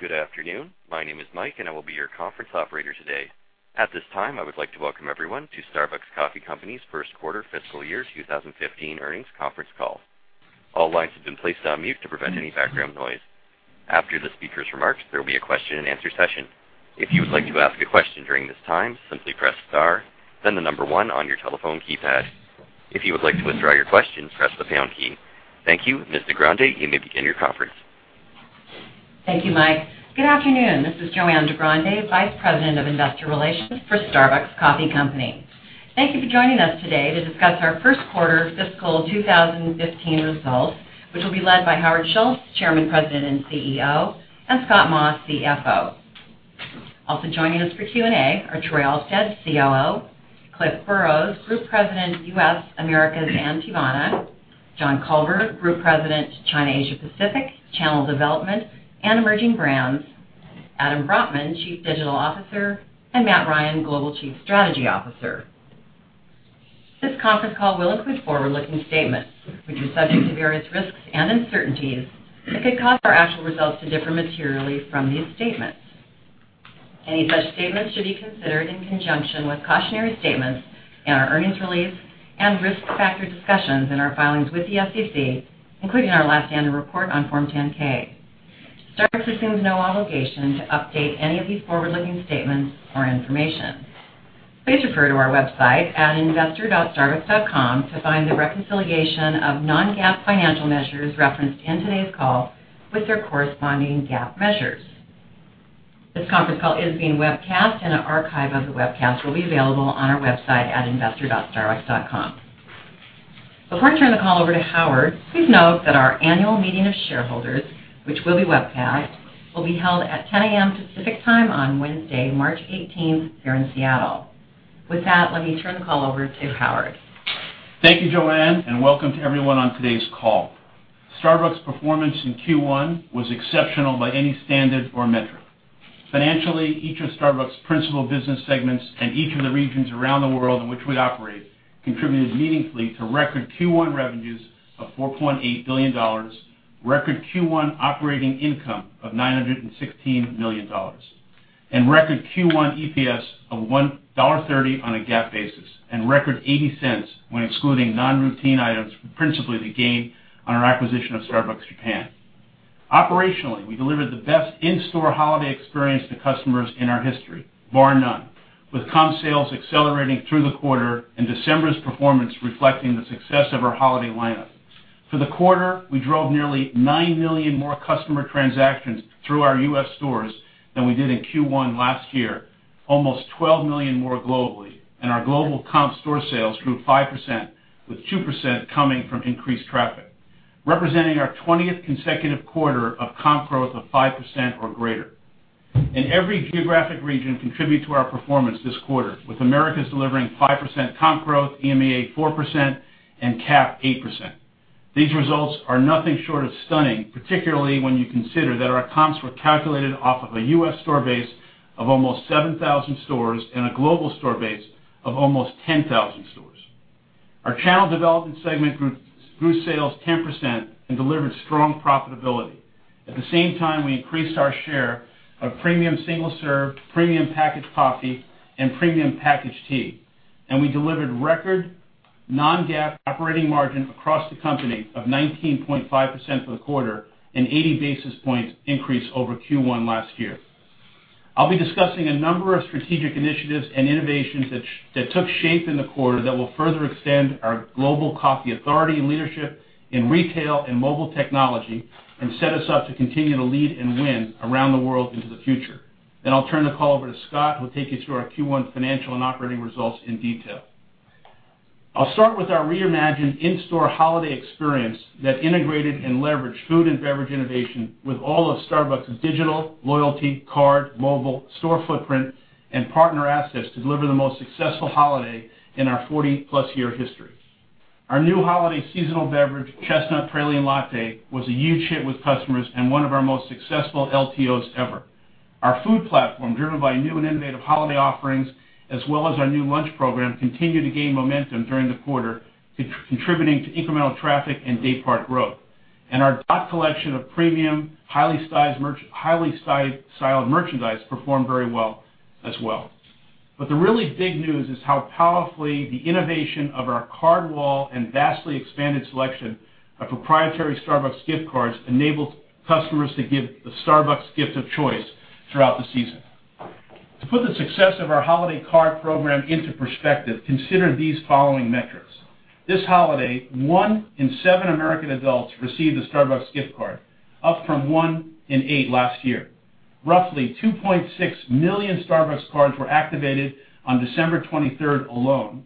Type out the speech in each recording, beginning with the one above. Good afternoon. My name is Mike, and I will be your conference operator today. At this time, I would like to welcome everyone to Starbucks Coffee Company's first quarter fiscal year 2015 earnings conference call. All lines have been placed on mute to prevent any background noise. After the speaker's remarks, there will be a question and answer session. If you would like to ask a question during this time, simply press star, then the number 1 on your telephone keypad. If you would like to withdraw your question, press the pound key. Thank you. Ms. DeGrande, you may begin your conference. Thank you, Mike. Good afternoon. This is JoAnn DeGrande, Vice President of Investor Relations for Starbucks Coffee Company. Thank you for joining us today to discuss our first quarter fiscal 2015 results, which will be led by Howard Schultz, Chairman, President, and CEO, and Scott Maw, CFO. Also joining us for Q&A are Troy Alstead, COO, Cliff Burrows, Group President, U.S., Americas, and Teavana, John Culver, Group President, China, Asia Pacific, Channel Development, and Emerging Brands, Adam Brotman, Chief Digital Officer, and Matt Ryan, Global Chief Strategy Officer. This conference call will include forward-looking statements, which are subject to various risks and uncertainties that could cause our actual results to differ materially from these statements. Any such statements should be considered in conjunction with cautionary statements in our earnings release and risk factor discussions in our filings with the SEC, including our last annual report on Form 10-K. Starbucks assumes no obligation to update any of these forward-looking statements or information. Please refer to our website at investor.starbucks.com to find the reconciliation of non-GAAP financial measures referenced in today's call with their corresponding GAAP measures. This conference call is being webcast, and an archive of the webcast will be available on our website at investor.starbucks.com. Before I turn the call over to Howard, please note that our annual meeting of shareholders, which will be webcast, will be held at 10:00 A.M. Pacific Time on Wednesday, March 18th, here in Seattle. With that, let me turn the call over to Howard. Thank you, JoAnn, and welcome to everyone on today's call. Starbucks' performance in Q1 was exceptional by any standard or metric. Financially, each of Starbucks' principal business segments and each of the regions around the world in which we operate contributed meaningfully to record Q1 revenues of $4.8 billion, record Q1 operating income of $916 million, and record Q1 EPS of $1.30 on a GAAP basis, and record $0.80 when excluding non-routine items, principally the gain on our acquisition of Starbucks Japan. Operationally, we delivered the best in-store holiday experience to customers in our history, bar none, with comp sales accelerating through the quarter and December's performance reflecting the success of our holiday lineup. For the quarter, we drove nearly 9 million more customer transactions through our U.S. stores than we did in Q1 last year, almost 12 million more globally, our global comp store sales grew 5%, with 2% coming from increased traffic, representing our 20th consecutive quarter of comp growth of 5% or greater. Every geographic region contributed to our performance this quarter, with Americas delivering 5% comp growth, EMEA 4%, and CAP 8%. These results are nothing short of stunning, particularly when you consider that our comps were calculated off of a U.S. store base of almost 7,000 stores and a global store base of almost 10,000 stores. Our Channel Development segment grew sales 10% and delivered strong profitability. At the same time, we increased our share of premium single-serve, premium packaged coffee, and premium packaged tea. We delivered record non-GAAP operating margin across the company of 19.5% for the quarter, an 80 basis points increase over Q1 last year. I'll be discussing a number of strategic initiatives and innovations that took shape in the quarter that will further extend our global coffee authority and leadership in retail and mobile technology and set us up to continue to lead and win around the world into the future. I'll turn the call over to Scott, who will take you through our Q1 financial and operating results in detail. I'll start with our reimagined in-store holiday experience that integrated and leveraged food and beverage innovation with all of Starbucks' digital, loyalty, card, mobile, store footprint, and partner assets to deliver the most successful holiday in our 40-plus year history. Our new holiday seasonal beverage, Chestnut Praline Latte, was a huge hit with customers and one of our most successful LTOs ever. Our food platform, driven by new and innovative holiday offerings, as well as our new lunch program, continued to gain momentum during the quarter, contributing to incremental traffic and daypart growth. Our Dot Collection of premium, highly styled merchandise performed very well as well. The really big news is how powerfully the innovation of our card wall and vastly expanded selection of proprietary Starbucks gift cards enabled customers to give the Starbucks gift of choice throughout the season. To put the success of our holiday card program into perspective, consider these following metrics. This holiday, one in seven American adults received a Starbucks gift card, up from one in eight last year. Roughly 2.6 million Starbucks cards were activated on December 23rd alone,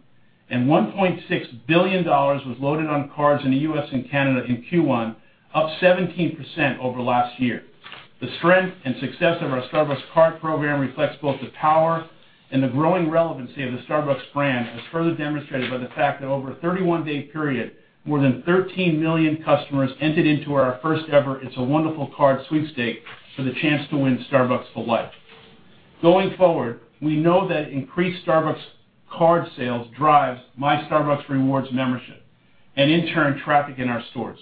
$1.6 billion was loaded on cards in the U.S. and Canada in Q1, up 17% over last year. The strength and success of our Starbucks card program reflects both the power and the growing relevancy of the Starbucks brand, as further demonstrated by the fact that over a 31-day period, more than 13 million customers entered into our first ever It's a Wonderful Card sweepstake for the chance to win Starbucks for Life. Going forward, we know that increased Starbucks card sales drives My Starbucks Rewards membership, in turn, traffic in our stores.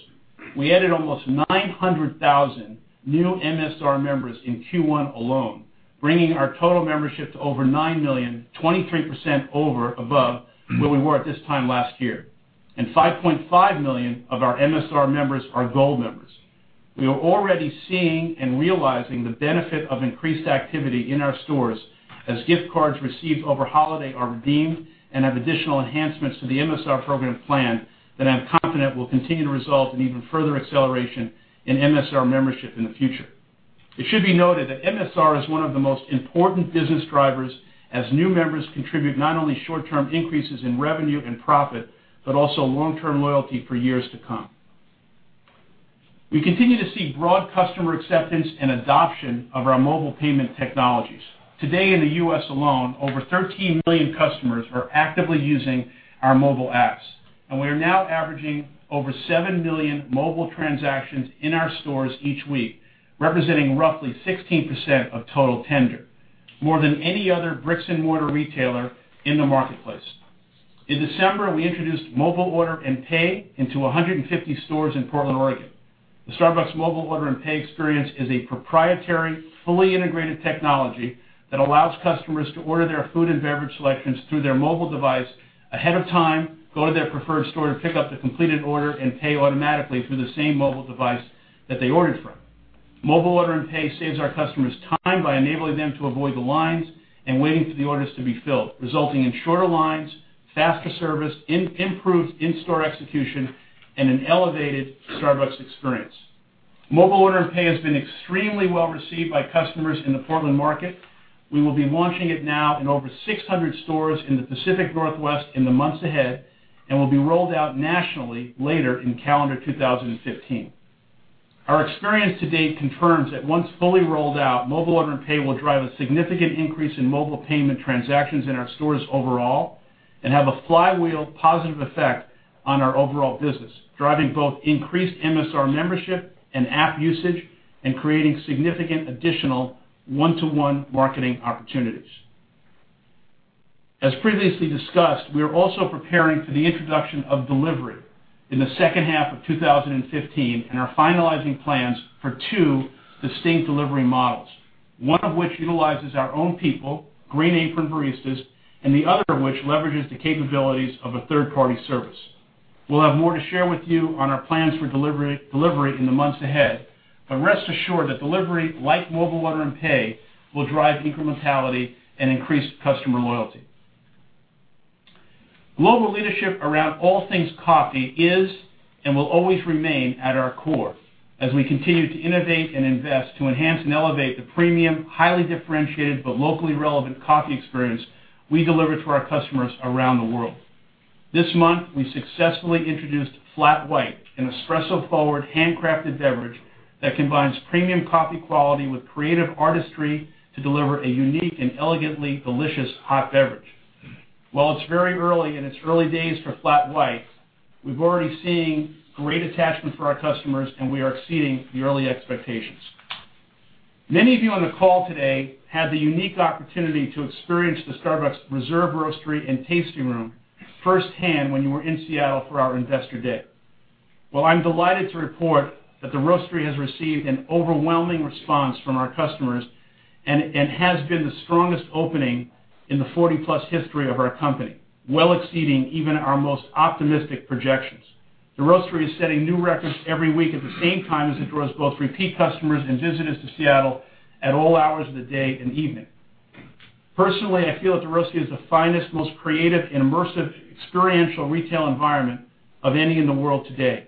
We added almost 900,000 new MSR members in Q1 alone, bringing our total membership to over 9 million, 23% over above where we were at this time last year. 5.5 million of our MSR members are Gold members. We are already seeing and realizing the benefit of increased activity in our stores as gift cards received over holiday are redeemed and have additional enhancements to the MSR program plan that I'm confident will continue to result in even further acceleration in MSR membership in the future. It should be noted that MSR is one of the most important business drivers as new members contribute not only short-term increases in revenue and profit, but also long-term loyalty for years to come. We continue to see broad customer acceptance and adoption of our mobile payment technologies. Today in the U.S. alone, over 13 million customers are actively using our mobile apps, and we are now averaging over 7 million mobile transactions in our stores each week, representing roughly 16% of total tender, more than any other bricks-and-mortar retailer in the marketplace. In December, we introduced Mobile Order & Pay into 150 stores in Portland, Oregon. The Starbucks Mobile Order & Pay experience is a proprietary, fully integrated technology that allows customers to order their food and beverage selections through their mobile device ahead of time, go to their preferred store to pick up the completed order, and pay automatically through the same mobile device that they ordered from. Mobile Order & Pay saves our customers time by enabling them to avoid the lines and waiting for the orders to be filled, resulting in shorter lines, faster service, improved in-store execution, and an elevated Starbucks experience. Mobile Order & Pay has been extremely well-received by customers in the Portland market. We will be launching it now in over 600 stores in the Pacific Northwest in the months ahead and will be rolled out nationally later in calendar 2015. Our experience to date confirms that once fully rolled out, Mobile Order & Pay will drive a significant increase in mobile payment transactions in our stores overall and have a flywheel positive effect on our overall business, driving both increased MSR membership and app usage and creating significant additional one-to-one marketing opportunities. As previously discussed, we are also preparing for the introduction of delivery in the second half of 2015 and are finalizing plans for two distinct delivery models, one of which utilizes our own people, Green Apron baristas, and the other of which leverages the capabilities of a third-party service. We'll have more to share with you on our plans for delivery in the months ahead. Rest assured that delivery, like Mobile Order & Pay, will drive incrementality and increase customer loyalty. Global leadership around all things coffee is and will always remain at our core as we continue to innovate and invest to enhance and elevate the premium, highly differentiated, but locally relevant coffee experience we deliver to our customers around the world. This month, we successfully introduced Flat White, an espresso-forward, handcrafted beverage that combines premium coffee quality with creative artistry to deliver a unique and elegantly delicious hot beverage. While it's very early and it's early days for Flat White, we've already seen great attachment for our customers, and we are exceeding the early expectations. Many of you on the call today had the unique opportunity to experience the Starbucks Reserve Roastery and Tasting Room firsthand when you were in Seattle for our Investor Day. Well, I'm delighted to report that the Roastery has received an overwhelming response from our customers and has been the strongest opening in the 40-plus history of our company, well exceeding even our most optimistic projections. The Roastery is setting new records every week at the same time as it draws both repeat customers and visitors to Seattle at all hours of the day and evening. Personally, I feel that the Roastery is the finest, most creative, and immersive experiential retail environment of any in the world today.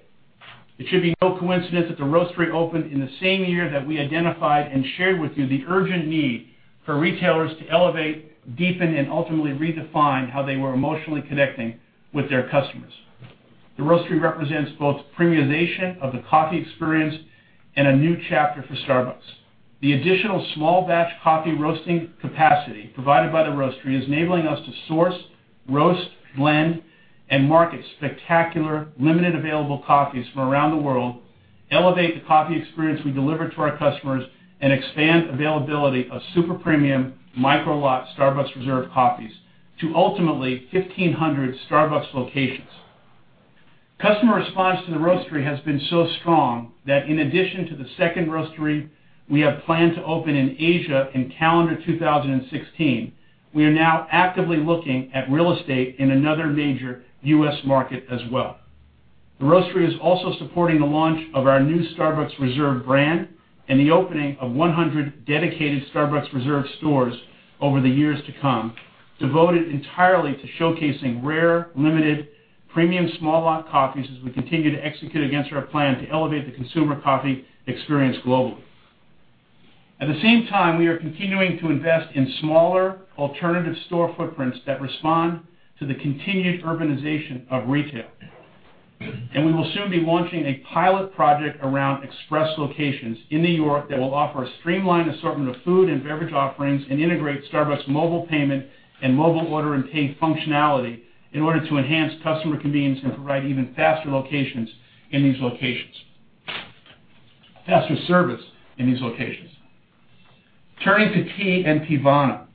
It should be no coincidence that the Roastery opened in the same year that we identified and shared with you the urgent need for retailers to elevate, deepen, and ultimately redefine how they were emotionally connecting with their customers. The Roastery represents both premiumization of the coffee experience and a new chapter for Starbucks. The additional small-batch coffee roasting capacity provided by the Roastery is enabling us to source, roast, blend, and market spectacular, limited available coffees from around the world, elevate the coffee experience we deliver to our customers, and expand availability of super premium micro lot Starbucks Reserve coffees to ultimately 1,500 Starbucks locations. Customer response to the Roastery has been so strong that in addition to the second Roastery we have planned to open in Asia in calendar 2016, we are now actively looking at real estate in another major U.S. market as well. The Roastery is also supporting the launch of our new Starbucks Reserve brand and the opening of 100 dedicated Starbucks Reserve stores over the years to come, devoted entirely to showcasing rare, limited premium small lot coffees as we continue to execute against our plan to elevate the consumer coffee experience globally. At the same time, we are continuing to invest in smaller alternative store footprints that respond to the continued urbanization of retail. We will soon be launching a pilot project around express locations in New York that will offer a streamlined assortment of food and beverage offerings and integrate Starbucks mobile payment and Mobile Order & Pay functionality in order to enhance customer convenience and provide even faster service in these locations. Turning to tea and Teavana.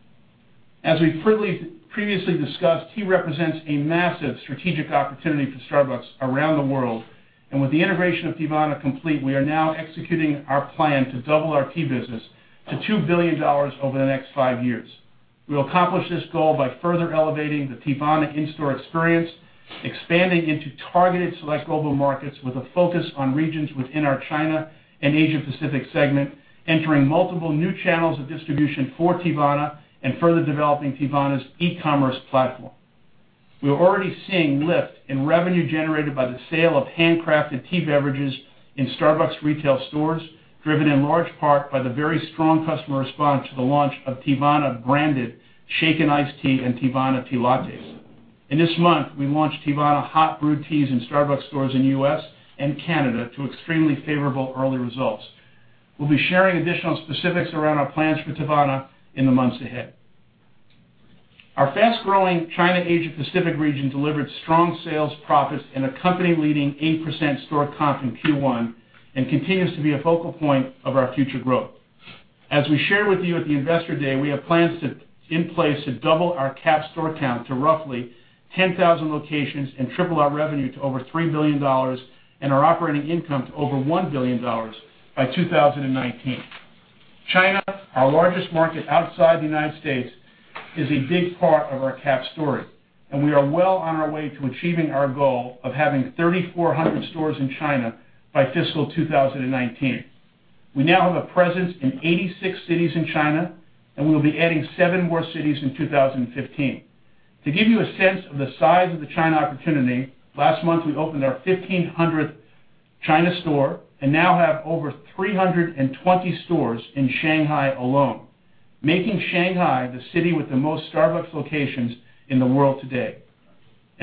As we previously discussed, tea represents a massive strategic opportunity for Starbucks around the world, and with the integration of Teavana complete, we are now executing our plan to double our tea business to $2 billion over the next five years. We will accomplish this goal by further elevating the Teavana in-store experience, expanding into targeted select global markets with a focus on regions within our China and Asia Pacific segment, entering multiple new channels of distribution for Teavana, and further developing Teavana's e-commerce platform. We are already seeing lift in revenue generated by the sale of handcrafted tea beverages in Starbucks retail stores, driven in large part by the very strong customer response to the launch of Teavana-branded shaken iced tea and Teavana tea lattes. This month, we launched Teavana hot brewed teas in Starbucks stores in U.S. and Canada to extremely favorable early results. We'll be sharing additional specifics around our plans for Teavana in the months ahead. Our fast-growing China Asia Pacific region delivered strong sales, profits, and a company-leading 8% store comp in Q1, and continues to be a focal point of our future growth. As we shared with you at the Investor Day, we have plans in place to double our CAP store count to roughly 10,000 locations and triple our revenue to over $3 billion, and our operating income to over $1 billion by 2019. China, our largest market outside the U.S., is a big part of our CAP story, and we are well on our way to achieving our goal of having 3,400 stores in China by fiscal 2019. We now have a presence in 86 cities in China, and we will be adding seven more cities in 2015. To give you a sense of the size of the China opportunity, last month, we opened our 1,500th China store and now have over 320 stores in Shanghai alone, making Shanghai the city with the most Starbucks locations in the world today.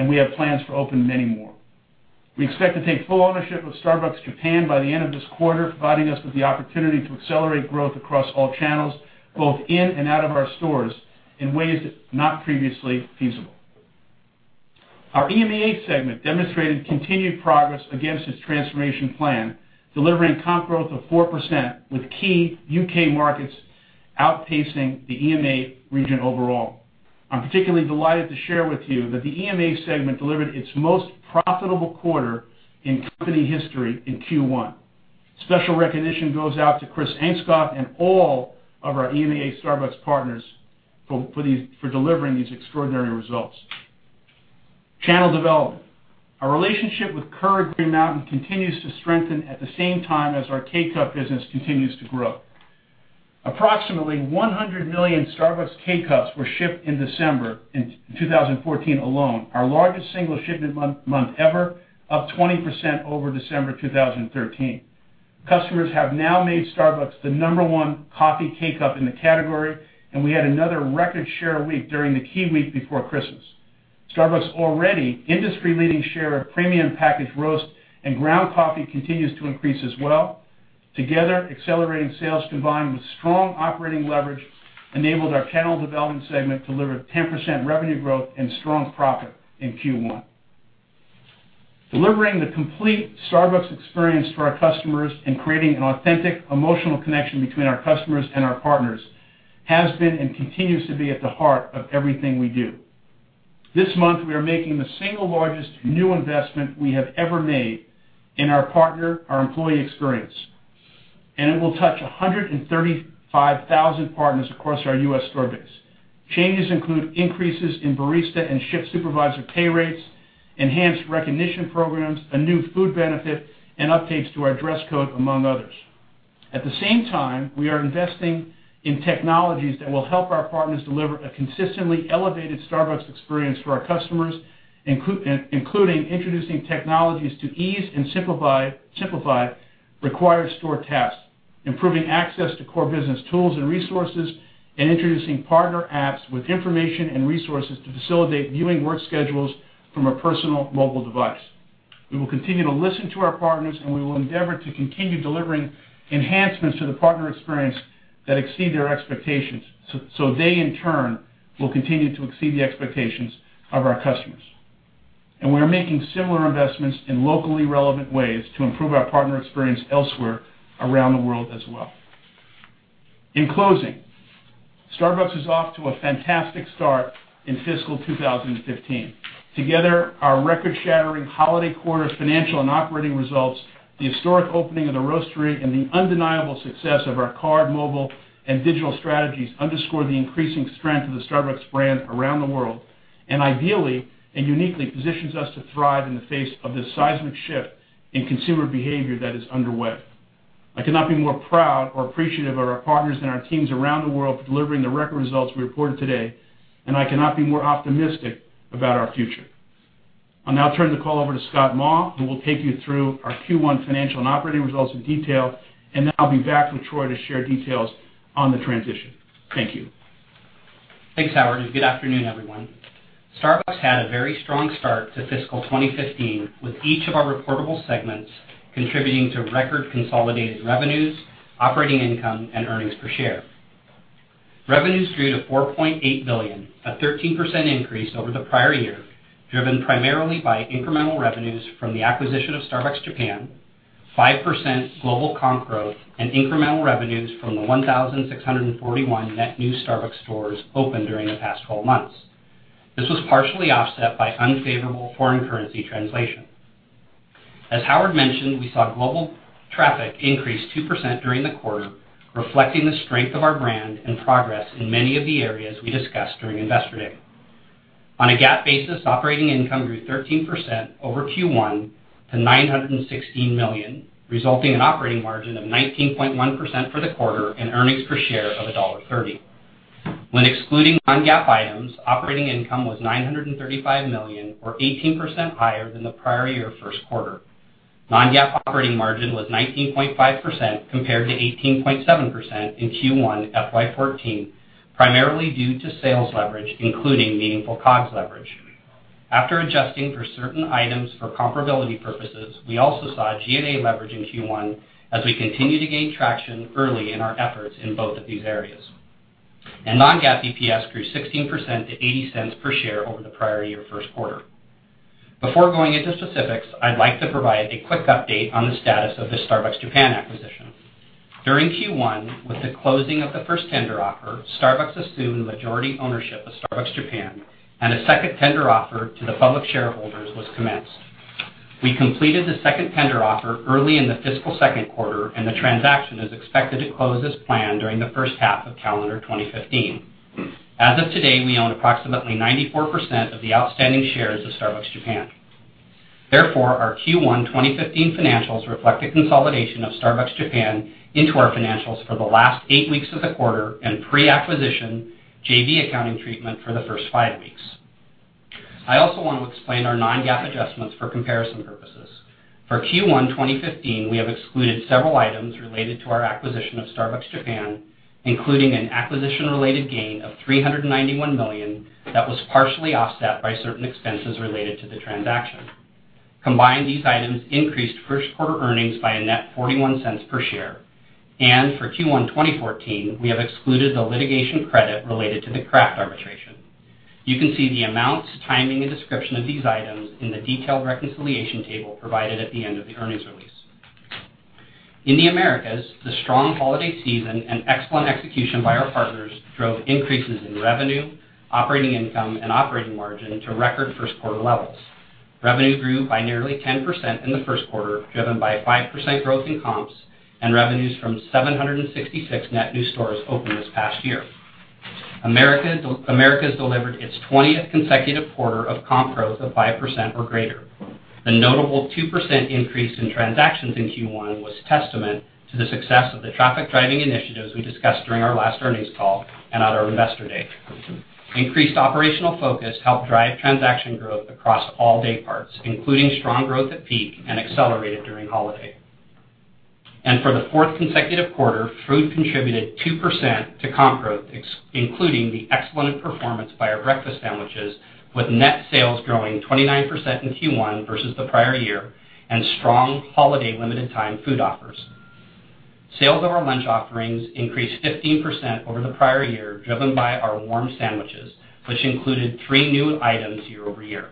We have plans to open many more. We expect to take full ownership of Starbucks Japan by the end of this quarter, providing us with the opportunity to accelerate growth across all channels, both in and out of our stores, in ways not previously feasible. Our EMEA segment demonstrated continued progress against its transformation plan, delivering comp growth of 4%, with key U.K. markets outpacing the EMEA region overall. I'm particularly delighted to share with you that the EMEA segment delivered its most profitable quarter in company history in Q1. Special recognition goes out to Kris Engskov and all of our EMEA Starbucks partners for delivering these extraordinary results. Channel Development. Our relationship with Keurig Green Mountain continues to strengthen at the same time as our K-Cup business continues to grow. Approximately 100 million Starbucks K-Cups were shipped in December in 2014 alone, our largest single shipment month ever, up 20% over December 2013. Customers have now made Starbucks the number one coffee K-Cup in the category, and we had another record share week during the key week before Christmas. Starbucks' already industry-leading share of premium packaged roast and ground coffee continues to increase as well. Together, accelerating sales combined with strong operating leverage enabled our Channel Development segment to deliver 10% revenue growth and strong profit in Q1. Delivering the complete Starbucks experience for our customers and creating an authentic, emotional connection between our customers and our partners has been and continues to be at the heart of everything we do. This month, we are making the single largest new investment we have ever made in our partner, our employee experience. It will touch 135,000 partners across our U.S. store base. Changes include increases in barista and shift supervisor pay rates, enhanced recognition programs, a new food benefit, and updates to our dress code, among others. At the same time, we are investing in technologies that will help our partners deliver a consistently elevated Starbucks experience for our customers, including introducing technologies to ease and simplify required store tasks, improving access to core business tools and resources, and introducing partner apps with information and resources to facilitate viewing work schedules from a personal mobile device. We will continue to listen to our partners, and we will endeavor to continue delivering enhancements to the partner experience that exceed their expectations, so they in turn will continue to exceed the expectations of our customers. We are making similar investments in locally relevant ways to improve our partner experience elsewhere around the world as well. In closing, Starbucks is off to a fantastic start in fiscal 2015. Together, our record-shattering holiday quarter's financial and operating results, the historic opening of the Roastery, and the undeniable success of our card, mobile, and digital strategies underscore the increasing strength of the Starbucks brand around the world, and ideally and uniquely positions us to thrive in the face of this seismic shift in consumer behavior that is underway. I could not be more proud or appreciative of our partners and our teams around the world for delivering the record results we reported today, and I cannot be more optimistic about our future. I'll now turn the call over to Scott Maw, who will take you through our Q1 financial and operating results in detail, and then I'll be back with Troy to share details on the transition. Thank you. Thanks, Howard, and good afternoon, everyone. Starbucks had a very strong start to fiscal 2015, with each of our reportable segments contributing to record consolidated revenues, operating income, and earnings per share. Revenues grew to $4.8 billion, a 13% increase over the prior year, driven primarily by incremental revenues from the acquisition of Starbucks Japan, 5% global comp growth, and incremental revenues from the 1,641 net new Starbucks stores opened during the past 12 months. This was partially offset by unfavorable foreign currency translation. As Howard mentioned, we saw global traffic increase 2% during the quarter, reflecting the strength of our brand and progress in many of the areas we discussed during Investor Day. On a GAAP basis, operating income grew 13% over Q1 to $916 million, resulting in operating margin of 19.1% for the quarter and earnings per share of $1.30. When excluding non-GAAP items, operating income was $935 million, or 18% higher than the prior year first quarter. Non-GAAP operating margin was 19.5% compared to 18.7% in Q1 FY 2014, primarily due to sales leverage, including meaningful COGS leverage. After adjusting for certain items for comparability purposes, we also saw G&A leverage in Q1 as we continue to gain traction early in our efforts in both of these areas. Non-GAAP EPS grew 16% to $0.80 per share over the prior year first quarter. Before going into specifics, I'd like to provide a quick update on the status of the Starbucks Japan acquisition. During Q1, with the closing of the first tender offer, Starbucks assumed majority ownership of Starbucks Japan, and a second tender offer to the public shareholders was commenced. We completed the second tender offer early in the fiscal second quarter, and the transaction is expected to close as planned during the first half of calendar 2015. As of today, we own approximately 94% of the outstanding shares of Starbucks Japan. Therefore, our Q1 2015 financials reflect a consolidation of Starbucks Japan into our financials for the last eight weeks of the quarter and pre-acquisition JV accounting treatment for the first five weeks. I also want to explain our non-GAAP adjustments for comparison purposes. For Q1 2015, we have excluded several items related to our acquisition of Starbucks Japan, including an acquisition-related gain of $391 million that was partially offset by certain expenses related to the transaction. Combined, these items increased first-quarter earnings by a net $0.41 per share. For Q1 2014, we have excluded the litigation credit related to the Kraft arbitration. You can see the amounts, timing, and description of these items in the detailed reconciliation table provided at the end of the earnings release. In the Americas, the strong holiday season and excellent execution by our partners drove increases in revenue, operating income, and operating margin to record first-quarter levels. Revenue grew by nearly 10% in the first quarter, driven by a 5% growth in comps and revenues from 766 net new stores opened this past year. Americas delivered its 20th consecutive quarter of comp growth of 5% or greater. The notable 2% increase in transactions in Q1 was testament to the success of the traffic-driving initiatives we discussed during our last earnings call and at our Investor Day. Increased operational focus helped drive transaction growth across all day parts, including strong growth at peak and accelerated during holiday. For the fourth consecutive quarter, food contributed 2% to comp growth, including the excellent performance by our breakfast sandwiches, with net sales growing 29% in Q1 versus the prior year, and strong holiday limited-time food offers. Sales of our lunch offerings increased 15% over the prior year, driven by our warm sandwiches, which included three new items year-over-year.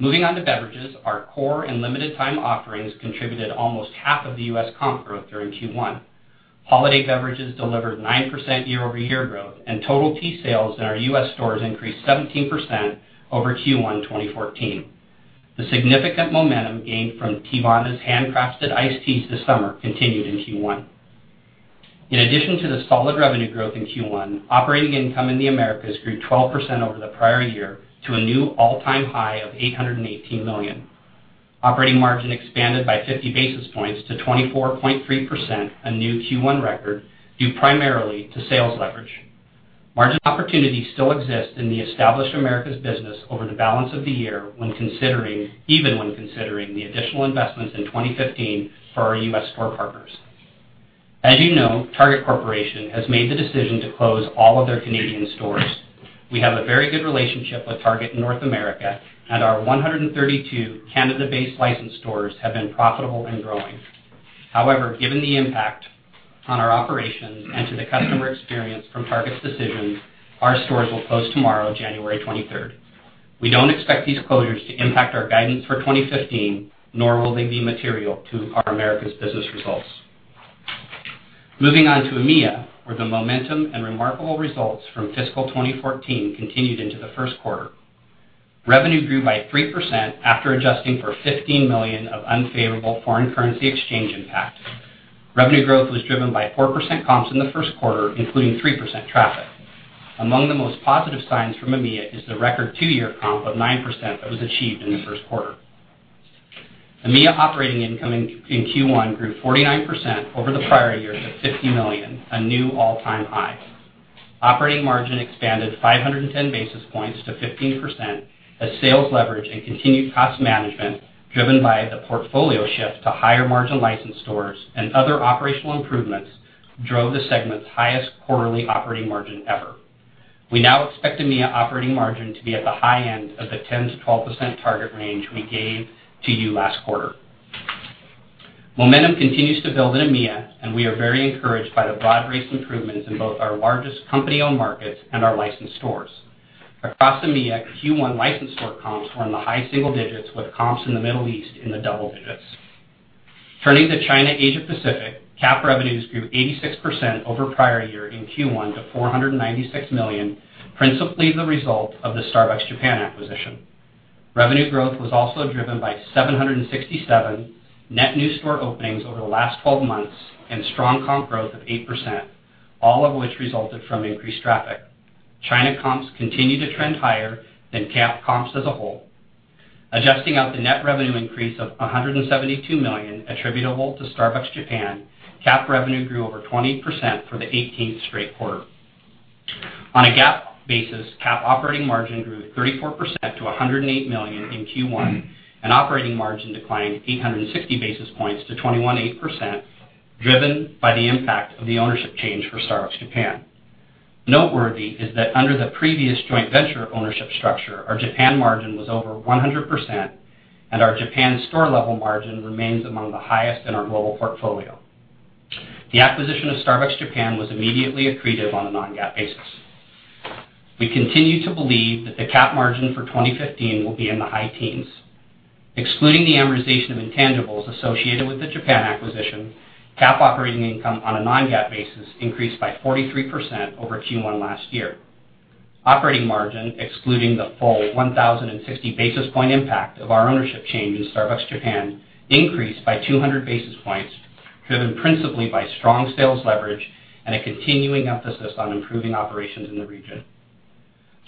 Moving on to beverages, our core and limited time offerings contributed almost half of the U.S. comp growth during Q1. Holiday beverages delivered 9% year-over-year growth, and total tea sales in our U.S. stores increased 17% over Q1 2014. The significant momentum gained from Teavana's handcrafted iced teas this summer continued in Q1. In addition to the solid revenue growth in Q1, operating income in the Americas grew 12% over the prior year to a new all-time high of $818 million. Operating margin expanded by 50 basis points to 24.3%, a new Q1 record due primarily to sales leverage. Margin opportunity still exists in the established Americas business over the balance of the year, even when considering the additional investments in 2015 for our U.S. store partners. As you know, Target Corporation has made the decision to close all of their Canadian stores. We have a very good relationship with Target North America, and our 132 Canada-based licensed stores have been profitable and growing. However, given the impact on our operations and to the customer experience from Target's decision, our stores will close tomorrow, January 23rd. We don't expect these closures to impact our guidance for 2015, nor will they be material to our Americas business results. Moving on to EMEA, where the momentum and remarkable results from fiscal 2014 continued into the first quarter. Revenue grew by 3% after adjusting for $15 million of unfavorable foreign currency exchange impact. Revenue growth was driven by 4% comps in the first quarter, including 3% traffic. Among the most positive signs from EMEA is the record two-year comp of 9% that was achieved in the first quarter. EMEA operating income in Q1 grew 49% over the prior year to $50 million, a new all-time high. Operating margin expanded 510 basis points to 15% as sales leverage and continued cost management, driven by the portfolio shift to higher-margin licensed stores and other operational improvements, drove the segment's highest quarterly operating margin ever. We now expect EMEA operating margin to be at the high end of the 10%-12% target range we gave to you last quarter. Momentum continues to build in EMEA. We are very encouraged by the broad-based improvements in both our largest company-owned markets and our licensed stores. Across EMEA, Q1 licensed store comps were in the high single digits with comps in the Middle East in the double digits. Turning to China, Asia Pacific, CAP revenues grew 86% over prior year in Q1 to $496 million, principally the result of the Starbucks Japan acquisition. Revenue growth was also driven by 767 net new store openings over the last 12 months and strong comp growth of 8%, all of which resulted from increased traffic. China comps continue to trend higher than CAP comps as a whole. Adjusting out the net revenue increase of $172 million attributable to Starbucks Japan, CAP revenue grew over 20% for the 18th straight quarter. On a GAAP basis, CAP operating margin grew 34% to $108 million in Q1. Operating margin declined 860 basis points to 21.8%, driven by the impact of the ownership change for Starbucks Japan. Noteworthy is that under the previous joint venture ownership structure, our Japan margin was over 100%. Our Japan store-level margin remains among the highest in our global portfolio. The acquisition of Starbucks Japan was immediately accretive on a non-GAAP basis. We continue to believe that the CAP margin for 2015 will be in the high teens. Excluding the amortization of intangibles associated with the Japan acquisition, CAP operating income on a non-GAAP basis increased by 43% over Q1 last year. Operating margin, excluding the full 1,060 basis point impact of our ownership change in Starbucks Japan, increased by 200 basis points, driven principally by strong sales leverage and a continuing emphasis on improving operations in the region.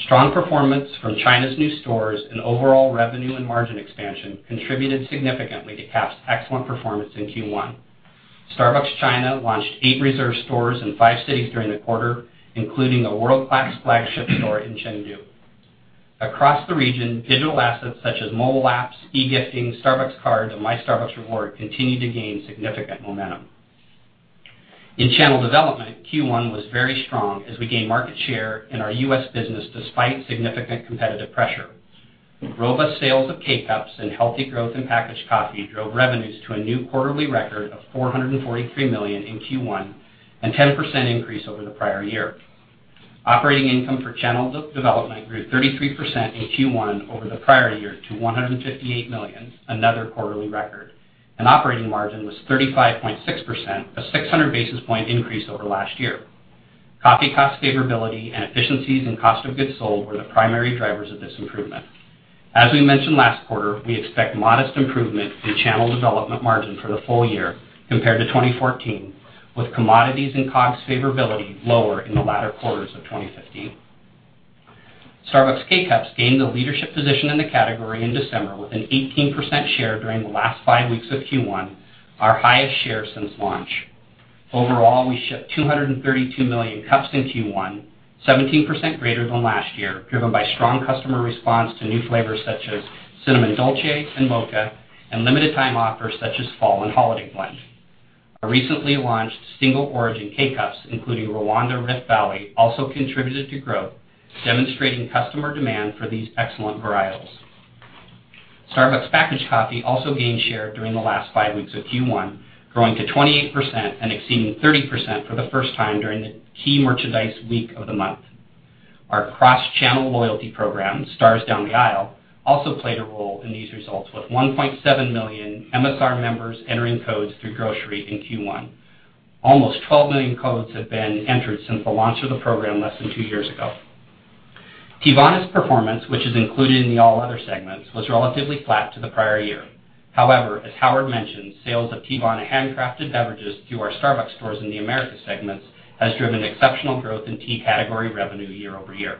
Strong performance from China's new stores and overall revenue and margin expansion contributed significantly to CAP's excellent performance in Q1. Starbucks China launched eight Reserve stores in five cities during the quarter, including a world-class flagship store in Chengdu. Across the region, digital assets such as mobile apps, e-gifting, Starbucks cards, and My Starbucks Rewards continue to gain significant momentum. In Channel Development, Q1 was very strong as we gained market share in our U.S. business despite significant competitive pressure. Robust sales of K-Cups and healthy growth in packaged coffee drove revenues to a new quarterly record of $443 million in Q1, a 10% increase over the prior year. Operating income for Channel Development grew 33% in Q1 over the prior year to $158 million, another quarterly record. Operating margin was 35.6%, a 600-basis point increase over last year. Coffee cost favorability and efficiencies in cost of goods sold were the primary drivers of this improvement. As we mentioned last quarter, we expect modest improvement in Channel Development margin for the full year compared to 2014, with commodities and COGS favorability lower in the latter quarters of 2015. Starbucks K-Cups gained a leadership position in the category in December, with an 18% share during the last five weeks of Q1, our highest share since launch. Overall, we shipped 232 million cups in Q1, 17% greater than last year, driven by strong customer response to new flavors such as Cinnamon Dolce and Mocha, and limited time offers such as Fall Blend and Holiday Blend. Our recently launched single-origin K-Cups, including Rwanda Rift Valley, also contributed to growth, demonstrating customer demand for these excellent varietals. Starbucks packaged coffee also gained share during the last five weeks of Q1, growing to 28% and exceeding 30% for the first time during the key merchandise week of the month. Our cross-channel loyalty program, Stars Down the Aisle, also played a role in these results, with 1.7 million MSR members entering codes through grocery in Q1. Almost 12 million codes have been entered since the launch of the program less than two years ago. Teavana's performance, which is included in the All Other Segments, was relatively flat to the prior year. As Howard mentioned, sales of Teavana handcrafted beverages through our Starbucks stores in the Americas segment has driven exceptional growth in tea category revenue year-over-year.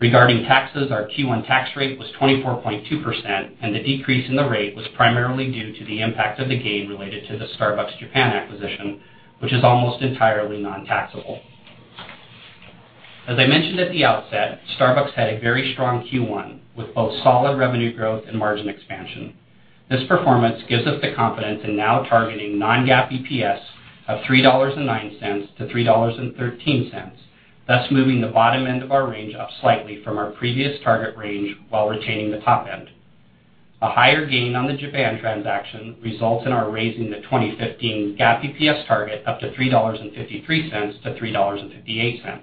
Regarding taxes, our Q1 tax rate was 24.2%. The decrease in the rate was primarily due to the impact of the gain related to the Starbucks Japan acquisition, which is almost entirely non-taxable. As I mentioned at the outset, Starbucks had a very strong Q1, with both solid revenue growth and margin expansion. This performance gives us the confidence in now targeting non-GAAP EPS of $3.09-$3.13, thus moving the bottom end of our range up slightly from our previous target range while retaining the top end. A higher gain on the Japan transaction results in our raising the 2015 GAAP EPS target up to $3.53-$3.58.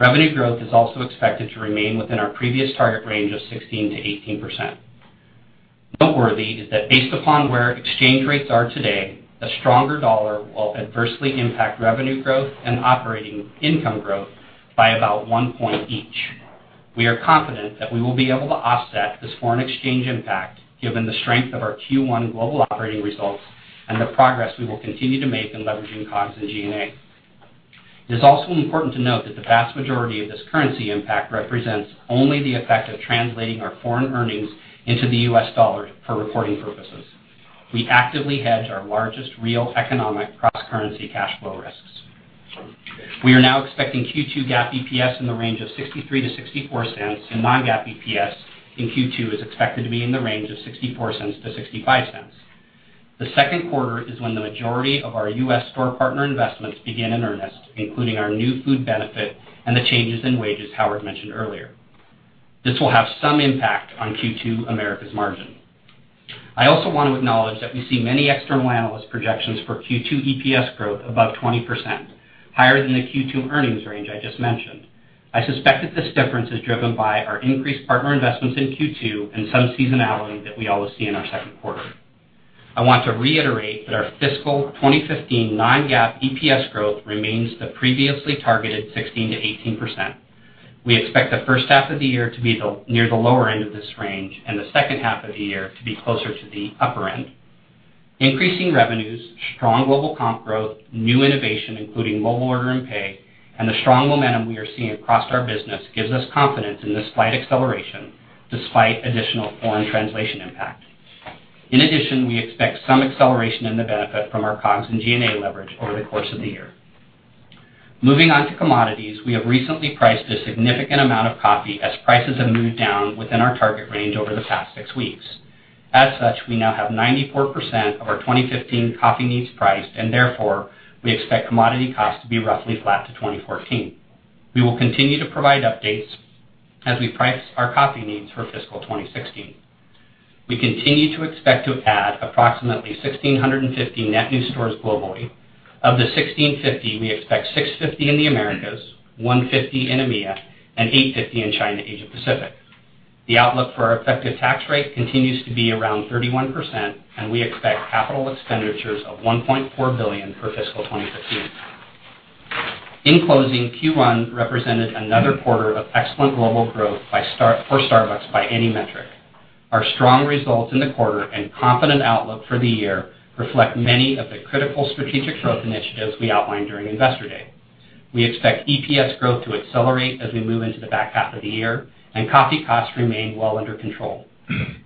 Revenue growth is also expected to remain within our previous target range of 16%-18%. Noteworthy is that based upon where exchange rates are today, a stronger dollar will adversely impact revenue growth and operating income growth by about one point each. We are confident that we will be able to offset this foreign exchange impact given the strength of our Q1 global operating results and the progress we will continue to make in leveraging COGS and G&A. It is also important to note that the vast majority of this currency impact represents only the effect of translating our foreign earnings into the U.S. dollar for reporting purposes. We actively hedge our largest real economic cross-currency cash flow risks. We are now expecting Q2 GAAP EPS in the range of $0.63-$0.64, and non-GAAP EPS in Q2 is expected to be in the range of $0.64-$0.65. The second quarter is when the majority of our U.S. store partner investments begin in earnest, including our new food benefit and the changes in wages Howard mentioned earlier. This will have some impact on Q2 Americas' margin. I also want to acknowledge that we see many external analyst projections for Q2 EPS growth above 20%, higher than the Q2 earnings range I just mentioned. I suspect that this difference is driven by our increased partner investments in Q2 and some seasonality that we always see in our second quarter. I want to reiterate that our fiscal 2015 non-GAAP EPS growth remains the previously targeted 16%-18%. We expect the first half of the year to be near the lower end of this range and the second half of the year to be closer to the upper end. Increasing revenues, strong global comp growth, new innovation, including Mobile Order & Pay, and the strong momentum we are seeing across our business gives us confidence in this slight acceleration despite additional foreign translation impact. In addition, we expect some acceleration in the benefit from our COGS and G&A leverage over the course of the year. Moving on to commodities, we have recently priced a significant amount of coffee as prices have moved down within our target range over the past six weeks. As such, we now have 94% of our 2015 coffee needs priced, and therefore, we expect commodity costs to be roughly flat to 2014. We will continue to provide updates as we price our coffee needs for fiscal 2016. We continue to expect to add approximately 1,650 net new stores globally. Of the 1,650, we expect 650 in the Americas, 150 in EMEA, and 850 in China Asia Pacific. The outlook for our effective tax rate continues to be around 31%, and we expect capital expenditures of $1.4 billion for fiscal 2015. In closing, Q1 represented another quarter of excellent global growth for Starbucks by any metric. Our strong results in the quarter and confident outlook for the year reflect many of the critical strategic growth initiatives we outlined during Investor Day. We expect EPS growth to accelerate as we move into the back half of the year and coffee costs remain well under control.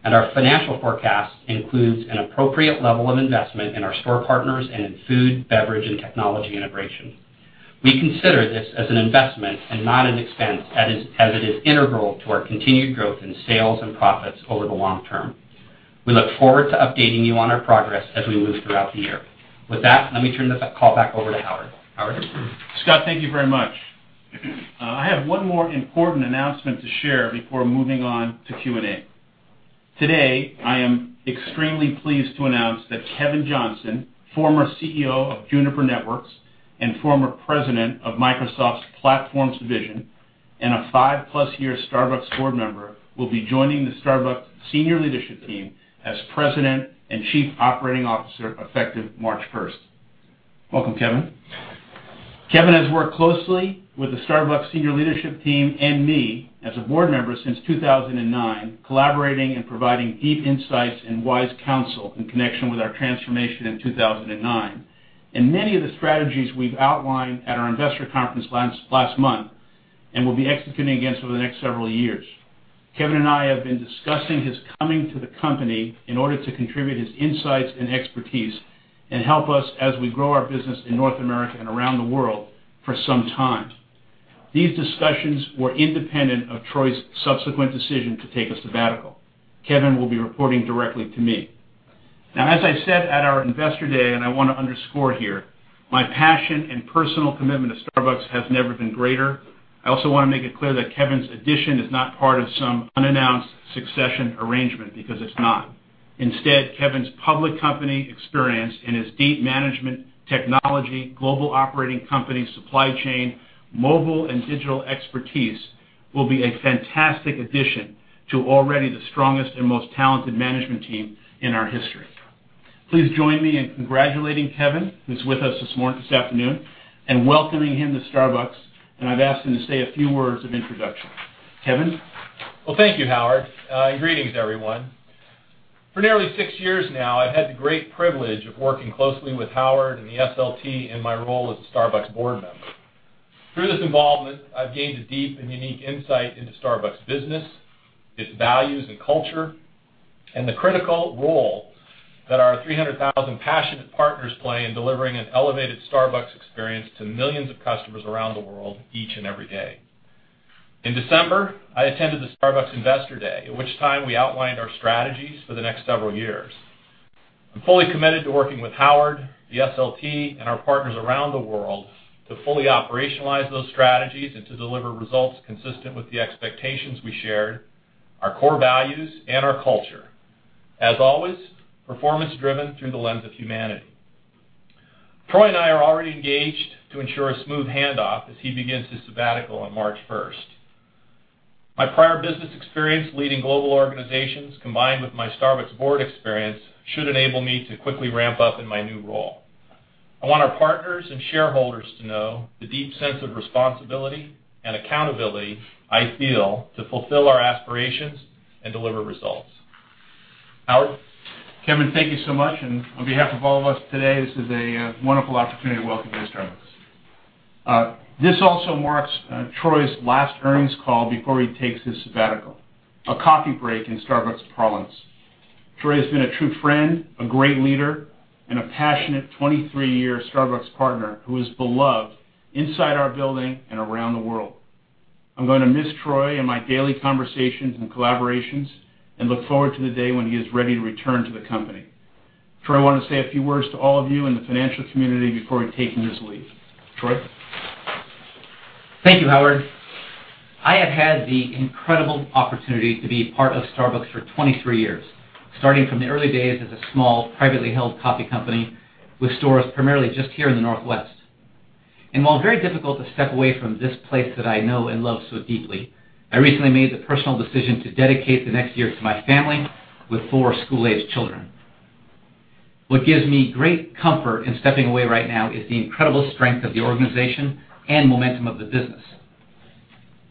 Our financial forecast includes an appropriate level of investment in our store partners and in food, beverage, and technology integration. We consider this as an investment and not an expense, as it is integral to our continued growth in sales and profits over the long term. We look forward to updating you on our progress as we move throughout the year. With that, let me turn this call back over to Howard. Howard? Scott, thank you very much. I have one more important announcement to share before moving on to Q&A. Today, I am extremely pleased to announce that Kevin Johnson, former CEO of Juniper Networks and former President of Microsoft's Platforms Division and a 5-plus-year Starbucks board member, will be joining the Starbucks Senior Leadership Team as President and Chief Operating Officer effective March 1st. Welcome, Kevin. Kevin has worked closely with the Starbucks Senior Leadership Team and me as a board member since 2009, collaborating and providing deep insights and wise counsel in connection with our transformation in 2009 and many of the strategies we've outlined at our investor conference last month and will be executing against over the next several years. Kevin and I have been discussing his coming to the company in order to contribute his insights and expertise and help us as we grow our business in North America and around the world for some time. These discussions were independent of Troy's subsequent decision to take a sabbatical. Kevin will be reporting directly to me. Now, as I said at our Investor Day, and I want to underscore here, my passion and personal commitment to Starbucks has never been greater. I also want to make it clear that Kevin's addition is not part of some unannounced succession arrangement because it's not. Instead, Kevin's public company experience and his deep management technology, global operating company, supply chain, mobile, and digital expertise will be a fantastic addition to already the strongest and most talented management team in our history. Please join me in congratulating Kevin, who's with us this afternoon, and welcoming him to Starbucks, and I've asked him to say a few words of introduction. Kevin? Well, thank you, Howard, and greetings, everyone. For nearly six years now, I've had the great privilege of working closely with Howard and the SLT in my role as a Starbucks board member. Through this involvement, I've gained a deep and unique insight into Starbucks business, its values and culture, and the critical role that our 300,000 passionate partners play in delivering an elevated Starbucks experience to millions of customers around the world each and every day. In December, I attended the Starbucks Investor Day, at which time we outlined our strategies for the next several years. I'm fully committed to working with Howard, the SLT, and our partners around the world to fully operationalize those strategies and to deliver results consistent with the expectations we shared, our core values, and our culture. As always, performance-driven through the lens of humanity. Troy and I are already engaged to ensure a smooth handoff as he begins his sabbatical on March 1st. My prior business experience leading global organizations, combined with my Starbucks board experience, should enable me to quickly ramp up in my new role. I want our partners and shareholders to know the deep sense of responsibility and accountability I feel to fulfill our aspirations and deliver results. Howard? Kevin, thank you so much. On behalf of all of us today, this is a wonderful opportunity to welcome you to Starbucks. This also marks Troy's last earnings call before he takes his sabbatical, a coffee break in Starbucks parlance. Troy has been a true friend, a great leader, and a passionate 23-year Starbucks partner who is beloved inside our building and around the world. I'm going to miss Troy and my daily conversations and collaborations and look forward to the day when he is ready to return to the company. Troy wanted to say a few words to all of you in the financial community before taking his leave. Troy? Thank you, Howard. I have had the incredible opportunity to be part of Starbucks for 23 years, starting from the early days as a small, privately held coffee company with stores primarily just here in the Northwest. While very difficult to step away from this place that I know and love so deeply, I recently made the personal decision to dedicate the next years to my family with four school-aged children. What gives me great comfort in stepping away right now is the incredible strength of the organization and momentum of the business.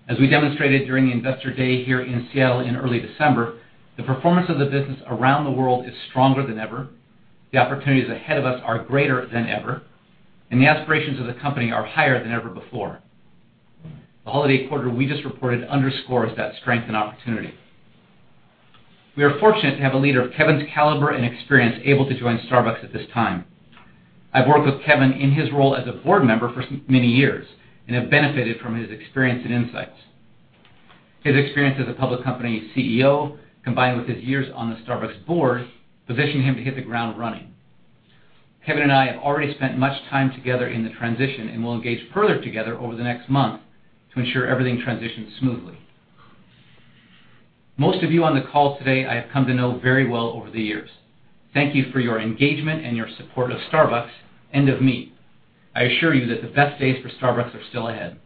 As we demonstrated during the Investor Day here in Seattle in early December, the performance of the business around the world is stronger than ever, the opportunities ahead of us are greater than ever, and the aspirations of the company are higher than ever before. The holiday quarter we just reported underscores that strength and opportunity. We are fortunate to have a leader of Kevin's caliber and experience able to join Starbucks at this time. I've worked with Kevin in his role as a board member for many years and have benefited from his experience and insights. His experience as a public company CEO, combined with his years on the Starbucks board, position him to hit the ground running. Kevin and I have already spent much time together in the transition and will engage further together over the next month to ensure everything transitions smoothly. Most of you on the call today I have come to know very well over the years. Thank you for your engagement and your support of Starbucks and of me. I assure you that the best days for Starbucks are still ahead.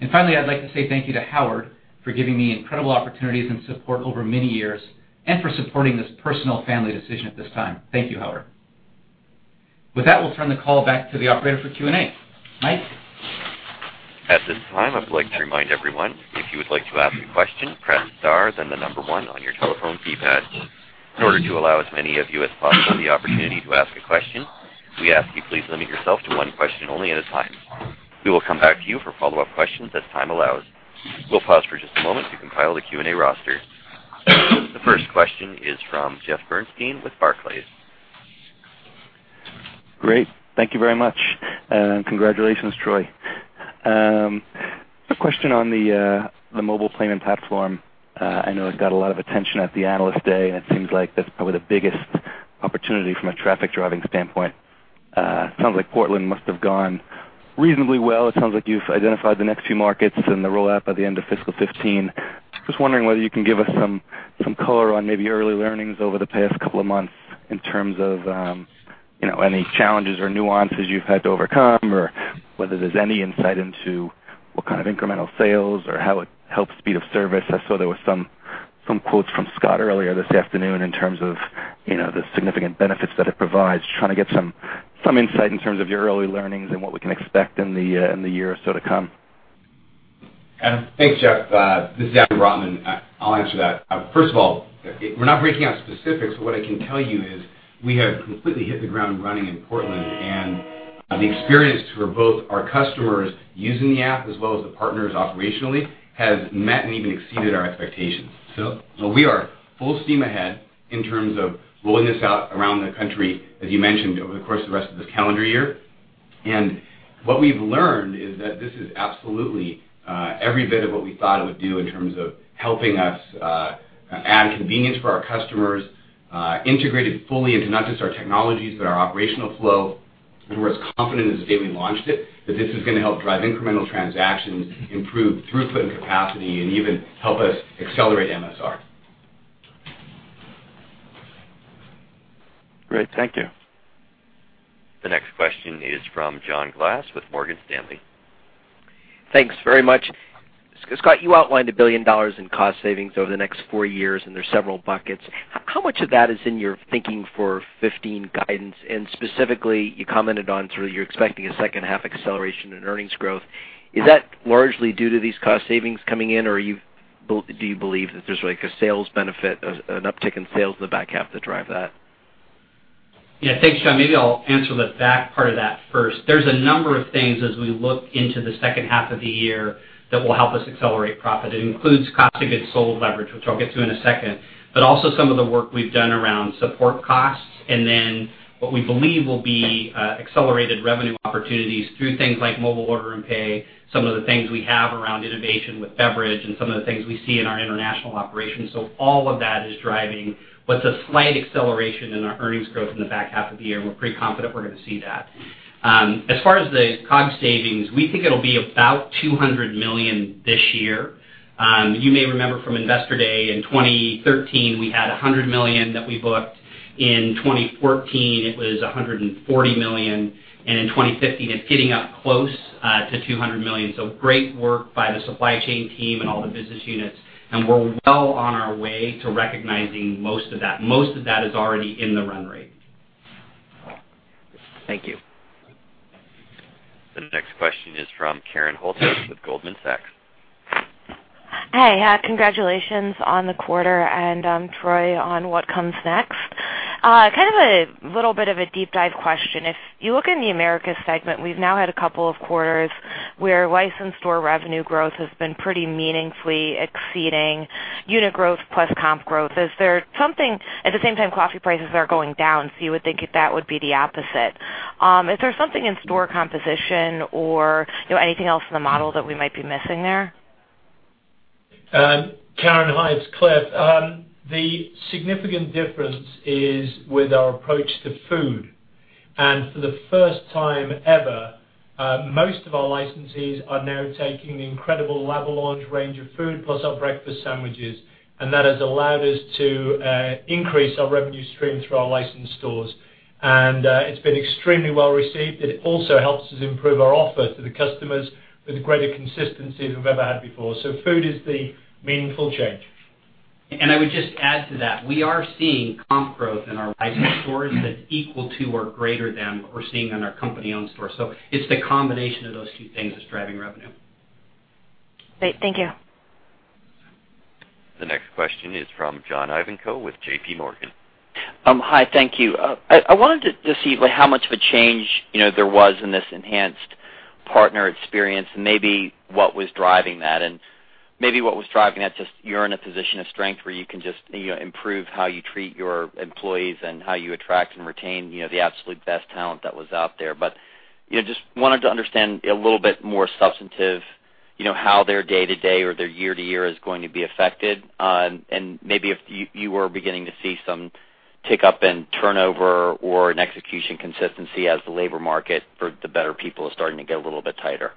I'd like to say thank you to Howard for giving me incredible opportunities and support over many years, and for supporting this personal family decision at this time. Thank you, Howard. With that, we'll turn the call back to the operator for Q&A. Mike? At this time, I would like to remind everyone, if you would like to ask a question, press star then the number one on your telephone keypad. In order to allow as many of you as possible the opportunity to ask a question, we ask you please limit yourself to one question only at a time. We will come back to you for follow-up questions as time allows. We'll pause for just a moment to compile the Q&A roster. The first question is from Jeffrey Bernstein with Barclays. Great. Thank you very much. Congratulations, Troy. A question on the mobile payment platform. I know it got a lot of attention at the Analyst Day, and it seems like that's probably the biggest opportunity from a traffic-driving standpoint. Sounds like Portland must have gone reasonably well. It sounds like you've identified the next few markets and the rollout by the end of fiscal 2015. Just wondering whether you can give us some color on maybe early learnings over the past couple of months in terms of any challenges or nuances you've had to overcome, or whether there's any insight into what kind of incremental sales or how it helps speed of service. I saw there was some quotes from Scott earlier this afternoon in terms of the significant benefits that it provides. Trying to get some insight in terms of your early learnings and what we can expect in the year or so to come. Thanks, Jeff. This is Adam Brotman. I'll answer that. First of all, we're not breaking out specifics, but what I can tell you is we have completely hit the ground running in Portland, and the experience for both our customers using the app as well as the partners operationally, has met and even exceeded our expectations. We are full steam ahead in terms of rolling this out around the country, as you mentioned, over the course of the rest of this calendar year. What we've learned is that this is absolutely every bit of what we thought it would do in terms of helping us add convenience for our customers, integrated fully into not just our technologies, but our operational flow. We're as confident as the day we launched it that this is going to help drive incremental transactions, improve throughput and capacity, and even help us accelerate MSR. Great. Thank you. The next question is from John Glass with Morgan Stanley. Thanks very much. Scott, you outlined $1 billion in cost savings over the next 4 years, and there's several buckets. How much of that is in your thinking for 2015 guidance? Specifically, you commented on you're expecting a second half acceleration in earnings growth. Is that largely due to these cost savings coming in, or do you believe that there's like a sales benefit, an uptick in sales in the back half to drive that? Yeah. Thanks, John. Maybe I'll answer the back part of that first. There's a number of things as we look into the second half of the year that will help us accelerate profit. It includes cost of goods sold leverage, which I'll get to in a second, also some of the work we've done around support costs, then what we believe will be accelerated revenue opportunities through things like Mobile Order & Pay, some of the things we have around innovation with beverage, and some of the things we see in our international operations. All of that is driving what's a slight acceleration in our earnings growth in the back half of the year, and we're pretty confident we're going to see that. As far as the COGS savings, we think it'll be about $200 million this year. You may remember from Investor Day in 2013, we had $100 million that we booked. In 2014, it was $140 million, in 2015, it's getting up close to $200 million. Great work by the supply chain team and all the business units, and we're well on our way to recognizing most of that. Most of that is already in the run rate. Thank you. The next question is from Karen Short with Deutsche Bank. Hi. Congratulations on the quarter, and Troy, on what comes next. Kind of a little bit of a deep dive question. If you look in the Americas Segment, we've now had a couple of quarters where licensed store revenue growth has been pretty meaningfully exceeding unit growth plus comp growth. At the same time, coffee prices are going down, you would think that that would be the opposite. Is there something in store composition or anything else in the model that we might be missing there? Karen, hi. It's Cliff. The significant difference is with our approach to food. For the first time ever, most of our licensees are now taking the incredible La Boulange range of food, plus our breakfast sandwiches, and that has allowed us to increase our revenue stream through our licensed stores. It's been extremely well-received. It also helps us improve our offer to the customers with greater consistency than we've ever had before. Food is the meaningful change. I would just add to that, we are seeing comp growth in our licensed stores that's equal to or greater than what we're seeing in our company-owned stores. It's the combination of those two things that's driving revenue. Great. Thank you. The next question is from John Ivankoe with J.P. Morgan. Hi, thank you. I wanted to see how much of a change there was in this enhanced partner experience, and maybe what was driving that, just you're in a position of strength where you can just improve how you treat your employees and how you attract and retain the absolute best talent that was out there. Just wanted to understand a little bit more substantive, how their day to day or their year to year is going to be affected. Maybe if you are beginning to see some tick up in turnover or in execution consistency as the labor market for the better people is starting to get a little bit tighter.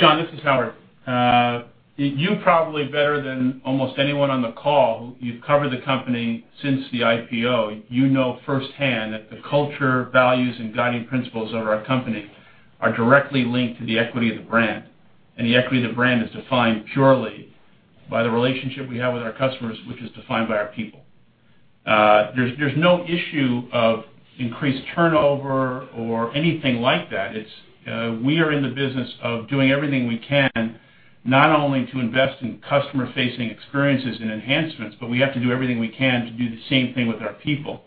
John, this is Howard. You probably better than almost anyone on the call, you've covered the company since the IPO. You know firsthand that the culture, values, and guiding principles of our company are directly linked to the equity of the brand. The equity of the brand is defined purely by the relationship we have with our customers, which is defined by our people. There's no issue of increased turnover or anything like that. We are in the business of doing everything we can, not only to invest in customer-facing experiences and enhancements, but we have to do everything we can to do the same thing with our people.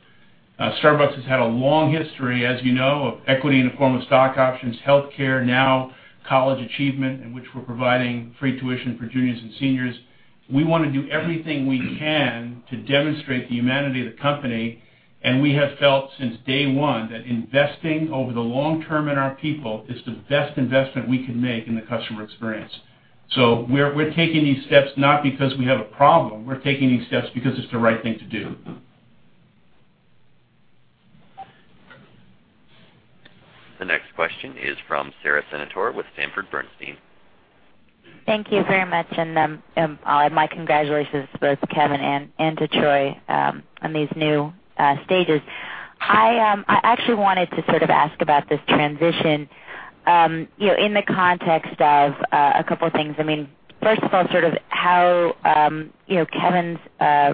Starbucks has had a long history, as you know, of equity in the form of stock options, healthcare, now college achievement, in which we're providing free tuition for juniors and seniors. We want to do everything we can to demonstrate the humanity of the company, we have felt since day one that investing over the long term in our people is the best investment we can make in the customer experience. We're taking these steps not because we have a problem. We're taking these steps because it's the right thing to do. The next question is from Sara Senatore with Sanford Bernstein. Thank you very much, I'll add my congratulations both to Kevin and to Troy on these new stages. I actually wanted to sort of ask about this transition, in the context of a couple of things. First of all, how Kevin's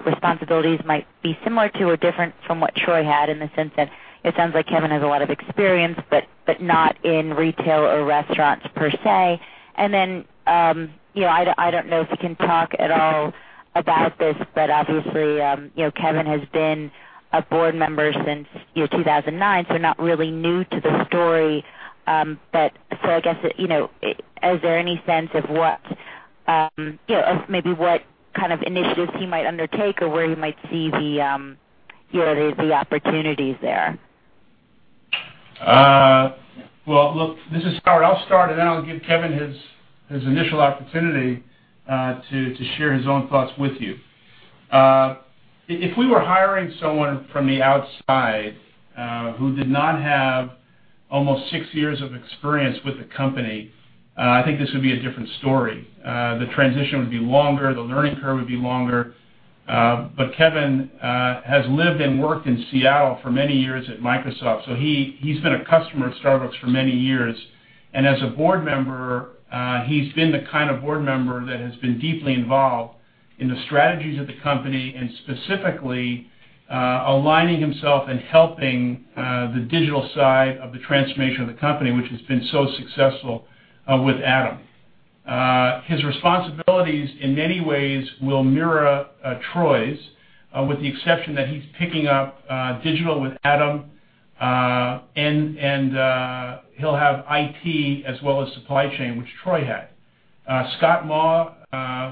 responsibilities might be similar to or different from what Troy had in the sense that it sounds like Kevin has a lot of experience, but not in retail or restaurants per se. Then, I don't know if you can talk at all about this, obviously, Kevin has been a board member since 2009, not really new to the story. I guess, is there any sense of maybe what kind of initiatives he might undertake or where he might see the opportunities there? Well, look, this is Howard. I'll start, then I'll give Kevin his initial opportunity to share his own thoughts with you. If we were hiring someone from the outside who did not have almost six years of experience with the company, I think this would be a different story. The transition would be longer, the learning curve would be longer. Kevin has lived and worked in Seattle for many years at Microsoft, he's been a customer of Starbucks for many years. As a board member, he's been the kind of board member that has been deeply involved in the strategies of the company and specifically aligning himself and helping the digital side of the transformation of the company, which has been so successful with Adam. His responsibilities, in many ways, will mirror Troy's, with the exception that he's picking up digital with Adam, he'll have IT as well as supply chain, which Troy had. Scott Maw,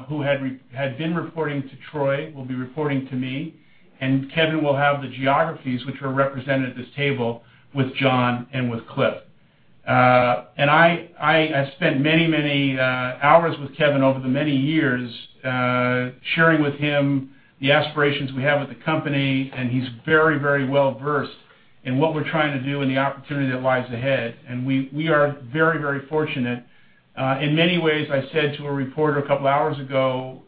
who had been reporting to Troy, will be reporting to me, Kevin will have the geographies which are represented at this table with John and with Cliff. I spent many, many hours with Kevin over the many years, sharing with him the aspirations we have with the company, he's very, very well versed in what we're trying to do and the opportunity that lies ahead. We are very, very fortunate. In many ways, I said to a reporter a couple of hours ago,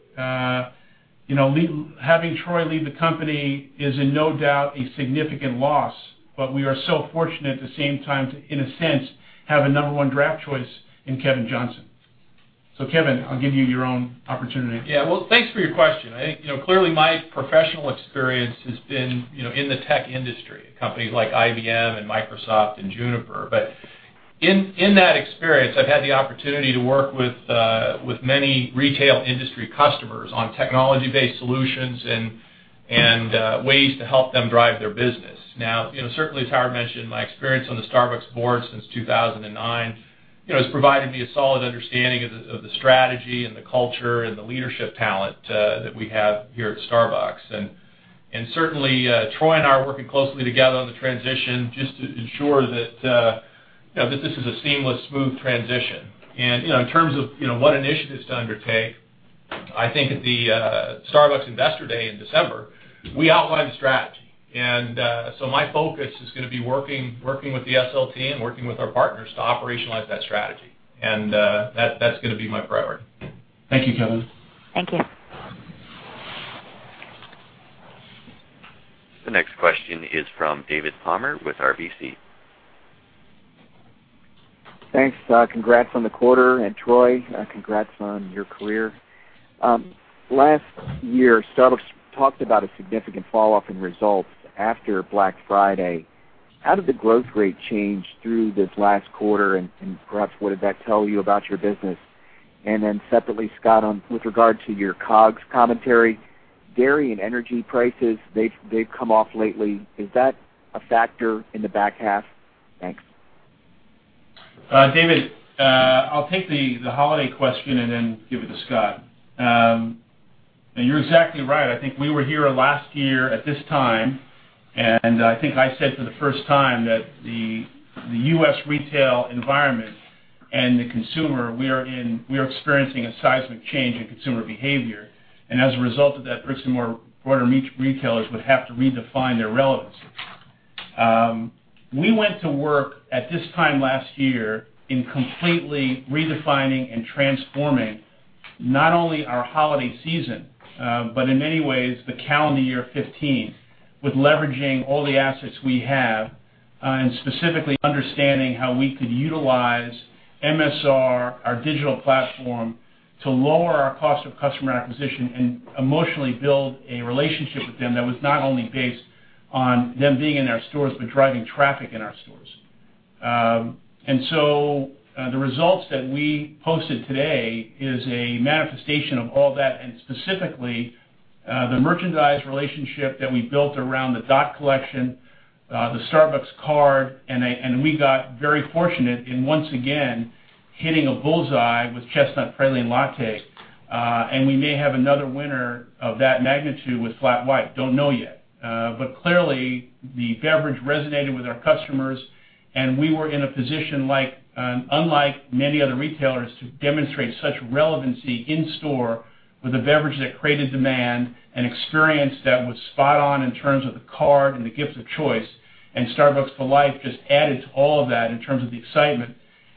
having Troy leave the company is in no doubt a significant loss, but we are so fortunate at the same time to, in a sense, have a number one draft choice in Kevin Johnson. Kevin, I'll give you your own opportunity. Yeah. Well, thanks for your question. I think, clearly my professional experience has been in the tech industry at companies like IBM and Microsoft and Juniper. But in that experience, I've had the opportunity to work with many retail industry customers on technology-based solutions and ways to help them drive their business. Certainly, as Howard mentioned, my experience on the Starbucks board since 2009, has provided me a solid understanding of the strategy and the culture and the leadership talent that we have here at Starbucks. Certainly, Troy and I are working closely together on the transition just to ensure that this is a seamless, smooth transition. In terms of what initiatives to undertake, I think at the Starbucks Investor Day in December, we outlined strategy. My focus is going to be working with the SL team, working with our partners to operationalize that strategy. That's going to be my priority. Thank you, Kevin. Thank you. The next question is from David Palmer with RBC. Thanks. Congrats on the quarter, Troy, congrats on your career. Last year, Starbucks talked about a significant falloff in results after Black Friday. How did the growth rate change through this last quarter, and perhaps, what did that tell you about your business? Separately, Scott, with regard to your COGS commentary, dairy and energy prices, they've come off lately. Is that a factor in the back half? Thanks. David, I'll take the holiday question and then give it to Scott. You're exactly right. I think we were here last year at this time, and I think I said for the first time that the U.S. retail environment and the consumer, we are experiencing a seismic change in consumer behavior. As a result of that, bricks-and-mortar retailers would have to redefine their relevancy. We went to work at this time last year in completely redefining and transforming not only our holiday season, but in many ways, the calendar year 2015 with leveraging all the assets we have, specifically understanding how we could utilize MSR, our digital platform, to lower our cost of customer acquisition and emotionally build a relationship with them that was not only based on them being in our stores, but driving traffic in our stores. The results that we posted today is a manifestation of all that, specifically, the merchandise relationship that we built around the Dot Collection, the Starbucks Card, and we got very fortunate in once again hitting a bullseye with Chestnut Praline Latte. We may have another winner of that magnitude with Flat White. Don't know yet. Clearly, the beverage resonated with our customers, and we were in a position, unlike many other retailers, to demonstrate such relevancy in-store with a beverage that created demand and experience that was spot on in terms of the card and the gift of choice, Starbucks for Life just added to all of that in terms of the excitement.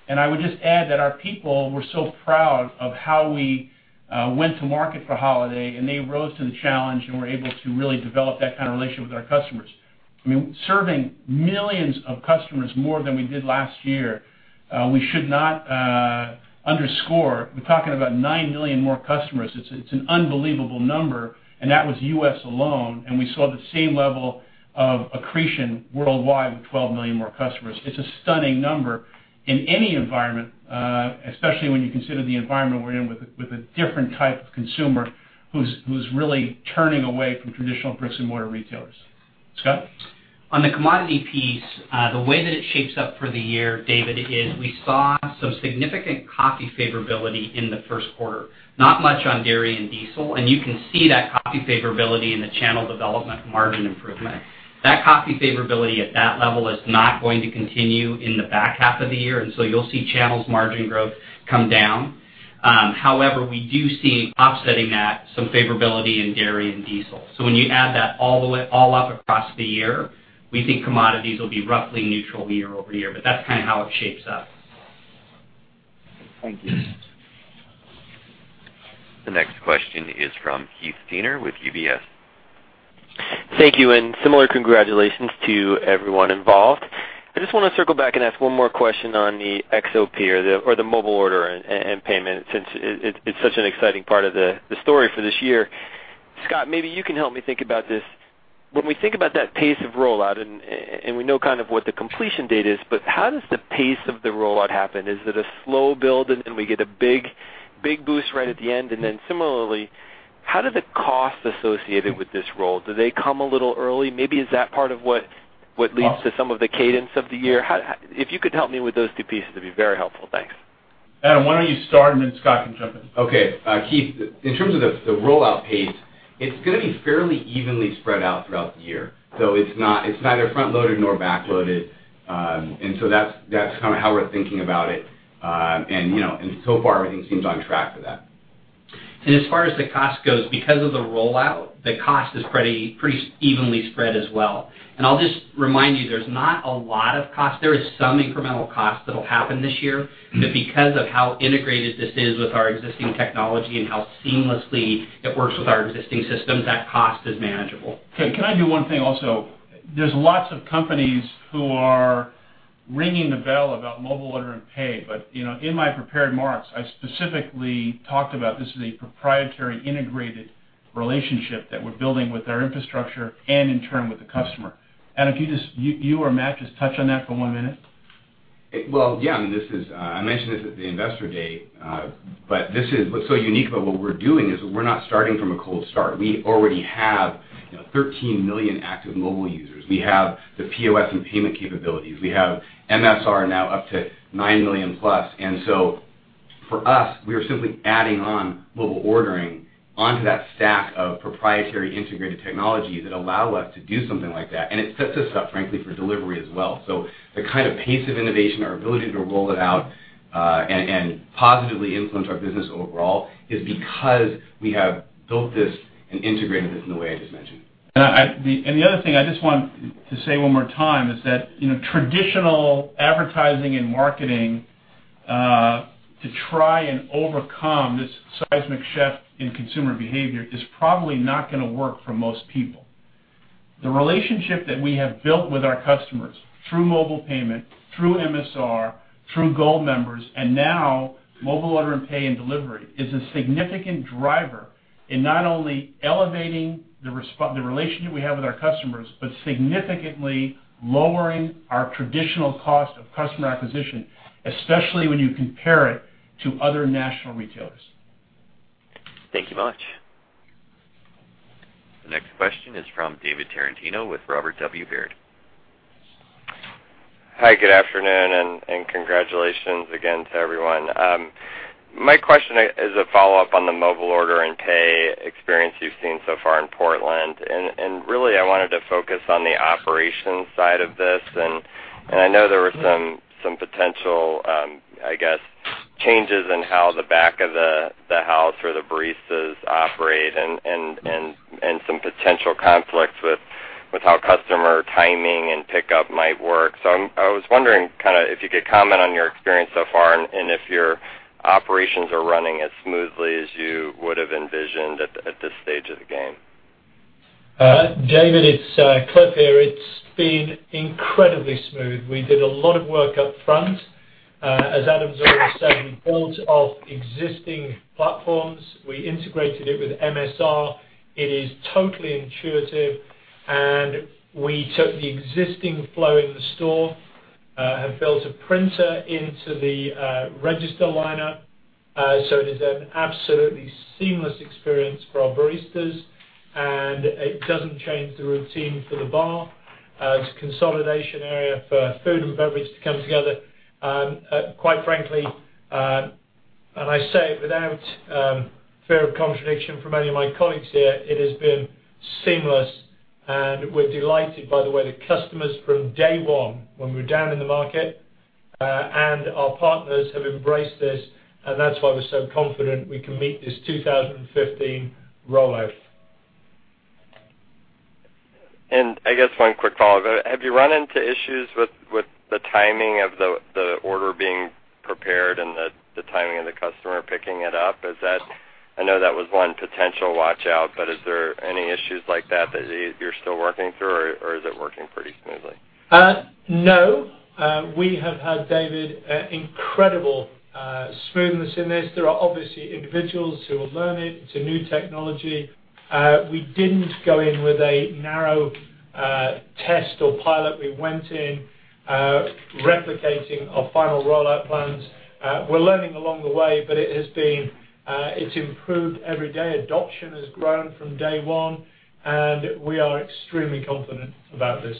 I would just add that our people were so proud of how we went to market for holiday, and they rose to the challenge and were able to really develop that kind of relationship with our customers. I mean, serving millions of customers more than we did last year, we should not underscore, we're talking about 9 million more customers. It's an unbelievable number, that was U.S. alone, we saw the same level of accretion worldwide with 12 million more customers. It's a stunning number in any environment, especially when you consider the environment we're in with a different type of consumer who's really turning away from traditional bricks-and-mortar retailers. Scott? On the commodity piece, the way that it shapes up for the year, David, is we saw some significant coffee favorability in the first quarter, not much on dairy and diesel, you can see that coffee favorability in the channel development margin improvement. That coffee favorability at that level is not going to continue in the back half of the year, you'll see channels margin growth come down. However, we do see offsetting that, some favorability in dairy and diesel. When you add that all up across the year, we think commodities will be roughly neutral year-over-year, that's kind of how it shapes up. Thank you. The next question is from Keith Siegner with UBS. Thank you, similar congratulations to everyone involved. I just want to circle back and ask one more question on the MOP or the Mobile Order and Pay, since it's such an exciting part of the story for this year. Scott, maybe you can help me think about this. When we think about that pace of rollout, we know kind of what the completion date is, how does the pace of the rollout happen? Is it a slow build and then we get a big boost right at the end? Similarly, how do the costs associated with this roll? Do they come a little early? Maybe is that part of what leads to some of the cadence of the year? If you could help me with those two pieces, it'd be very helpful. Thanks. Adam, why don't you start, then Scott can jump in. Okay. Keith, in terms of the rollout pace, it's going to be fairly evenly spread out throughout the year. It's neither front-loaded nor back-loaded. That's how we're thinking about it. Far, everything seems on track for that. As far as the cost goes, because of the rollout, the cost is pretty evenly spread as well. I'll just remind you, there's not a lot of cost. There is some incremental cost that'll happen this year. Because of how integrated this is with our existing technology and how seamlessly it works with our existing systems, that cost is manageable. Can I do one thing also? There's lots of companies who are ringing the bell about Mobile Order & Pay. In my prepared remarks, I specifically talked about this is a proprietary integrated relationship that we're building with our infrastructure and in turn with the customer. Adam, if you or Matt just touch on that for one minute. Well, yeah. I mentioned this at the Investor Day. What's so unique about what we're doing is we're not starting from a cold start. We already have 13 million active mobile users. We have the POS and payment capabilities. We have MSR now up to nine million plus. For us, we are simply adding on mobile ordering onto that stack of proprietary integrated technology that allow us to do something like that. It sets us up, frankly, for delivery as well. The kind of pace of innovation, our ability to roll it out, and positively influence our business overall is because we have built this and integrated this in the way I just mentioned. The other thing I just want to say one more time is that traditional advertising and marketing, to try and overcome this seismic shift in consumer behavior is probably not going to work for most people. The relationship that we have built with our customers through mobile payment, through MSR, through Gold members, and now Mobile Order & Pay and delivery, is a significant driver in not only elevating the relationship we have with our customers, but significantly lowering our traditional cost of customer acquisition, especially when you compare it to other national retailers. Thank you much. The next question is from David Tarantino with Robert W. Baird. Hi, good afternoon, and congratulations again to everyone. My question is a follow-up on the Mobile Order & Pay experience you've seen so far in Portland, really, I wanted to focus on the operations side of this. I know there were some potential, I guess, changes in how the back of the house or the baristas operate and some potential conflicts with how customer timing and pickup might work. I was wondering if you could comment on your experience so far, and if your operations are running as smoothly as you would have envisioned at this stage of the game. David, it's Cliff here. It's been incredibly smooth. We did a lot of work up front. As Adam's already said, we built off existing platforms. We integrated it with MSR. It is totally intuitive. We took the existing flow in the store, have built a printer into the register lineup, it is an absolutely seamless experience for our baristas, it doesn't change the routine for the bar. There's a consolidation area for food and beverage to come together. Quite frankly, I say it without fear of contradiction from any of my colleagues here, it has been seamless. We're delighted by the way the customers from day one, when we were down in the market, and our partners have embraced this, that's why we're so confident we can meet this 2015 rollout. I guess one quick follow-up. Have you run into issues with the timing of the order being prepared and the timing of the customer picking it up? I know that was one potential watch-out, is there any issues like that you're still working through, or is it working pretty smoothly? No. We have had, David, incredible smoothness in this. There are obviously individuals who are learning. It's a new technology. We didn't go in with a narrow test or pilot. We went in replicating our final rollout plans. We're learning along the way, but it's improved every day. Adoption has grown from day one, and we are extremely confident about this.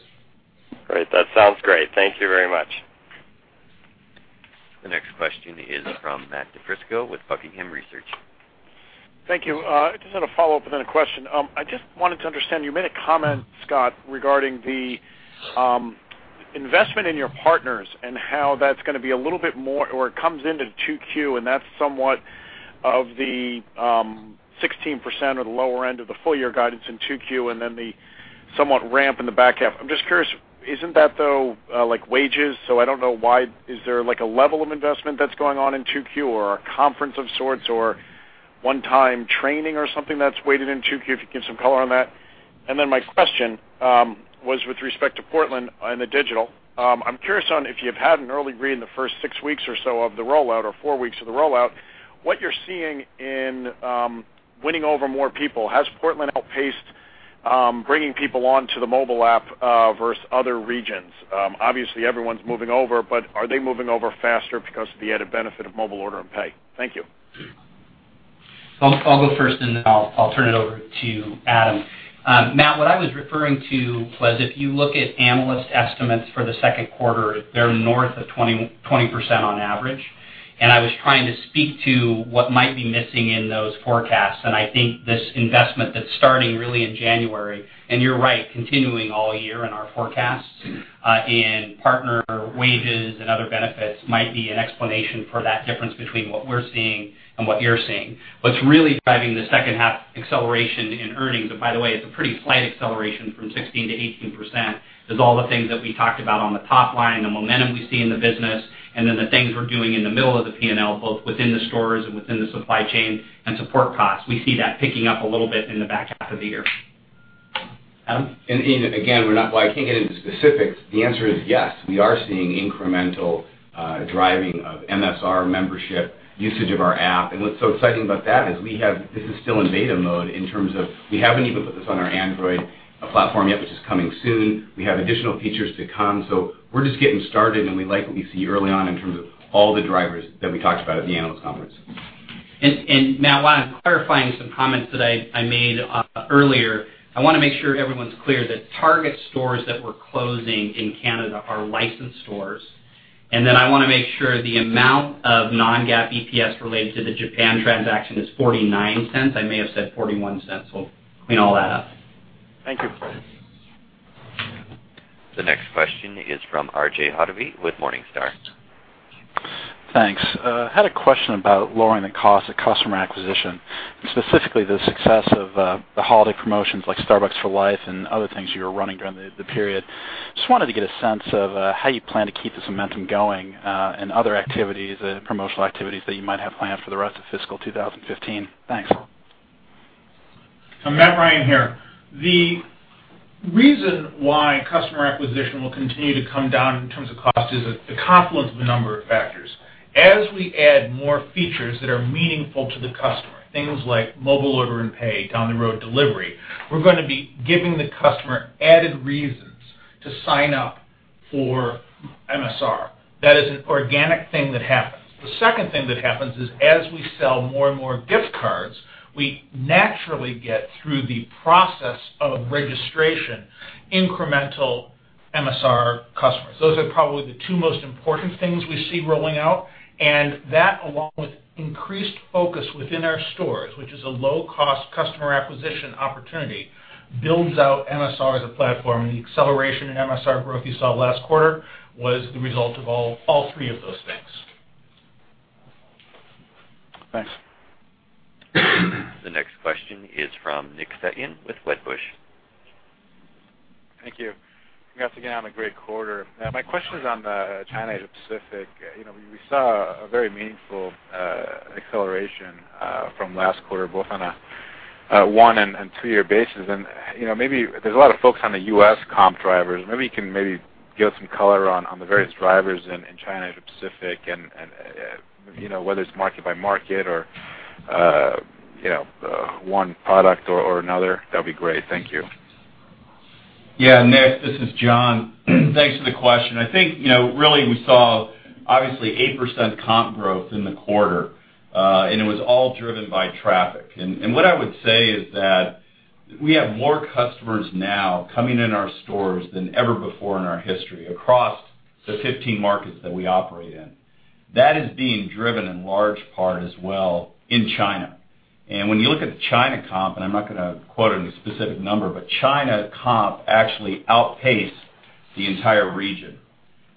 Great. That sounds great. Thank you very much. The next question is from Matt DiFrisco with Buckingham Research. Thank you. I just had a follow-up, and then a question. I just wanted to understand, you made a comment, Scott, regarding the investment in your partners and how that's going to be a little bit more, or it comes into 2Q, and that's somewhat of the 16% or the lower end of the full-year guidance in 2Q, and then the somewhat ramp in the back half. I'm just curious, isn't that, though, like wages? I don't know, is there a level of investment that's going on in 2Q or a conference of sorts or one-time training or something that's weighted in 2Q, if you could give some color on that? My question was with respect to Portland and the digital. I'm curious on if you've had an early read in the first six weeks or so of the rollout or four weeks of the rollout, what you're seeing in winning over more people. Has Portland outpaced bringing people onto the mobile app versus other regions? Obviously, everyone's moving over, but are they moving over faster because of the added benefit of Mobile Order & Pay? Thank you. I'll go first, then I'll turn it over to Adam. Matt, what I was referring to was if you look at analyst estimates for the second quarter, they're north of 20% on average. I was trying to speak to what might be missing in those forecasts. I think this investment that's starting really in January, and you're right, continuing all year in our forecasts, in partner wages and other benefits might be an explanation for that difference between what we're seeing and what you're seeing. What's really driving the second half acceleration in earnings, and by the way, it's a pretty slight acceleration from 16%-18%, is all the things that we talked about on the top line, the momentum we see in the business, the things we're doing in the middle of the P&L, both within the stores and within the supply chain and support costs. We see that picking up a little bit in the back half of the year. Adam? Again, while I can't get into specifics, the answer is yes. We are seeing incremental driving of MSR membership, usage of our app, and what's so exciting about that is this is still in beta mode in terms of we haven't even put this on our Android platform yet, which is coming soon. We have additional features to come. We're just getting started, we like what we see early on in terms of all the drivers that we talked about at the analyst conference. Matt, while I'm clarifying some comments that I made earlier, I want to make sure everyone's clear that Target stores that we're closing in Canada are licensed stores, that I want to make sure the amount of non-GAAP EPS related to the Japan transaction is $0.49. I may have said $0.41, we'll clean all that up. Thank you. The next question is from R.J. Hottovy with Morningstar. Thanks. I had a question about lowering the cost of customer acquisition, specifically the success of the holiday promotions like Starbucks for Life and other things you were running during the period. Just wanted to get a sense of how you plan to keep this momentum going, and other promotional activities that you might have planned for the rest of fiscal 2015. Thanks. Matt Ryan here. The reason why customer acquisition will continue to come down in terms of cost is a confluence of a number of factors. As we add more features that are meaningful to the customer, things like Mobile Order & Pay, down the road delivery, we're going to be giving the customer added reasons to sign up for MSR. That is an organic thing that happens. The second thing that happens is, as we sell more and more gift cards, we naturally get through the process of registration, incremental MSR customers. Those are probably the two most important things we see rolling out, and that along with increased focus within our stores, which is a low-cost customer acquisition opportunity, builds out MSR as a platform. The acceleration in MSR growth you saw last quarter was the result of all three of those things. Thanks. The next question is from Nick Setyan with Wedbush. Thank you. Congrats again on a great quarter. My question is on the China Asia Pacific. We saw a very meaningful acceleration from last quarter, both on a one and two-year basis. There's a lot of focus on the U.S. comp drivers. Maybe you can give some color on the various drivers in China, Asia Pacific and whether it's market by market or one product or another, that'd be great. Thank you. Yeah, Nick, this is John. Thanks for the question. I think really we saw obviously 8% comp growth in the quarter. It was all driven by traffic. What I would say is that we have more customers now coming in our stores than ever before in our history across the 15 markets that we operate in. That is being driven in large part as well in China. When you look at the China comp, and I'm not going to quote any specific number, but China comp actually outpaced the entire region.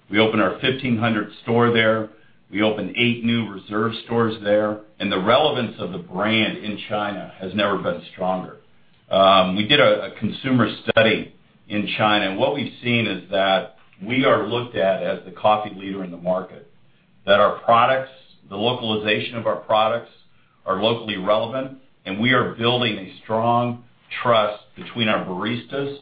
We opened our 1,500th store there. We opened eight new Reserve stores there. The relevance of the brand in China has never been stronger. We did a consumer study in China, what we've seen is that we are looked at as the coffee leader in the market. Our products, the localization of our products are locally relevant, and we are building a strong trust between our baristas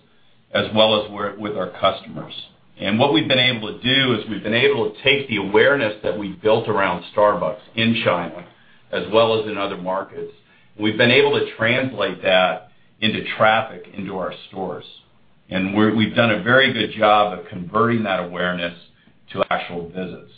as well as with our customers. What we've been able to do is we've been able to take the awareness that we've built around Starbucks in China as well as in other markets. We've been able to translate that into traffic into our stores. We've done a very good job of converting that awareness to actual visits.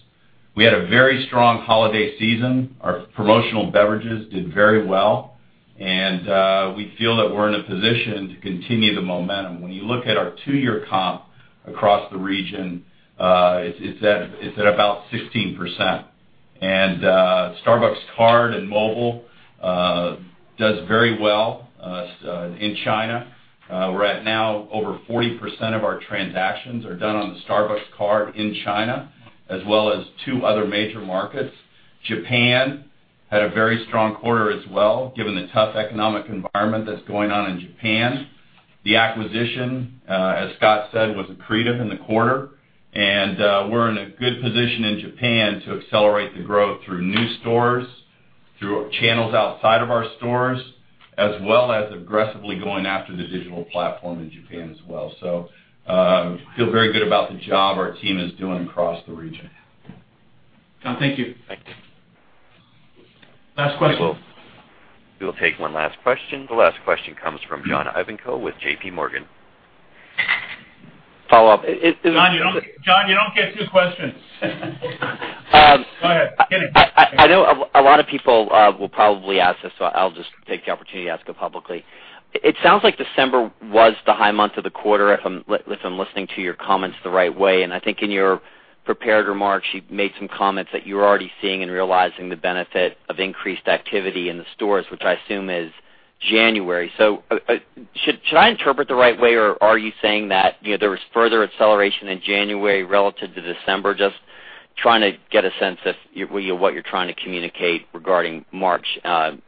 We had a very strong holiday season. Our promotional beverages did very well, and we feel that we're in a position to continue the momentum. When you look at our two-year comp across the region, it's at about 16%. Starbucks Card and Mobile does very well in China. Right now, over 40% of our transactions are done on the Starbucks Card in China, as well as two other major markets. Japan had a very strong quarter as well, given the tough economic environment that's going on in Japan. The acquisition, as Scott said, was accretive in the quarter, and we're in a good position in Japan to accelerate the growth through new stores, through channels outside of our stores, as well as aggressively going after the digital platform in Japan as well. Feel very good about the job our team is doing across the region. John, thank you. Thank you. Last question. We will take one last question. The last question comes from John Ivankoe with J.P. Morgan. Follow-up. John, you don't get two questions. Go ahead. Kidding. I know a lot of people will probably ask this, I'll just take the opportunity to ask it publicly. It sounds like December was the high month of the quarter, if I'm listening to your comments the right way. I think in your prepared remarks, you made some comments that you're already seeing and realizing the benefit of increased activity in the stores, which I assume is January. Should I interpret the right way, or are you saying that there was further acceleration in January relative to December? Just trying to get a sense of what you're trying to communicate regarding March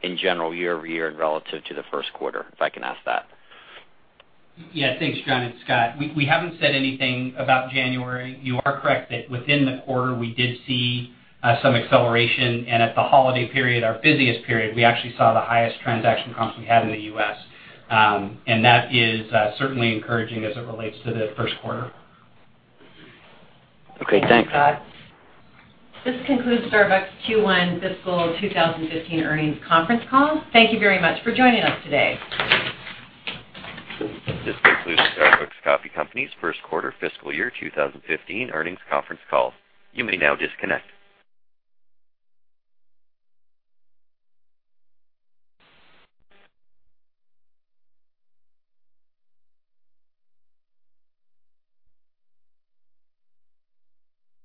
in general year-over-year, and relative to the first quarter, if I can ask that. Yeah. Thanks, John and Scott. We haven't said anything about January. You are correct that within the quarter, we did see some acceleration. At the holiday period, our busiest period, we actually saw the highest transaction comps we had in the U.S. That is certainly encouraging as it relates to the first quarter. Okay, thanks. This concludes Starbucks Q1 fiscal 2015 earnings conference call. Thank you very much for joining us today. This concludes Starbucks Coffee Company's first quarter fiscal year 2015 earnings conference call. You may now disconnect.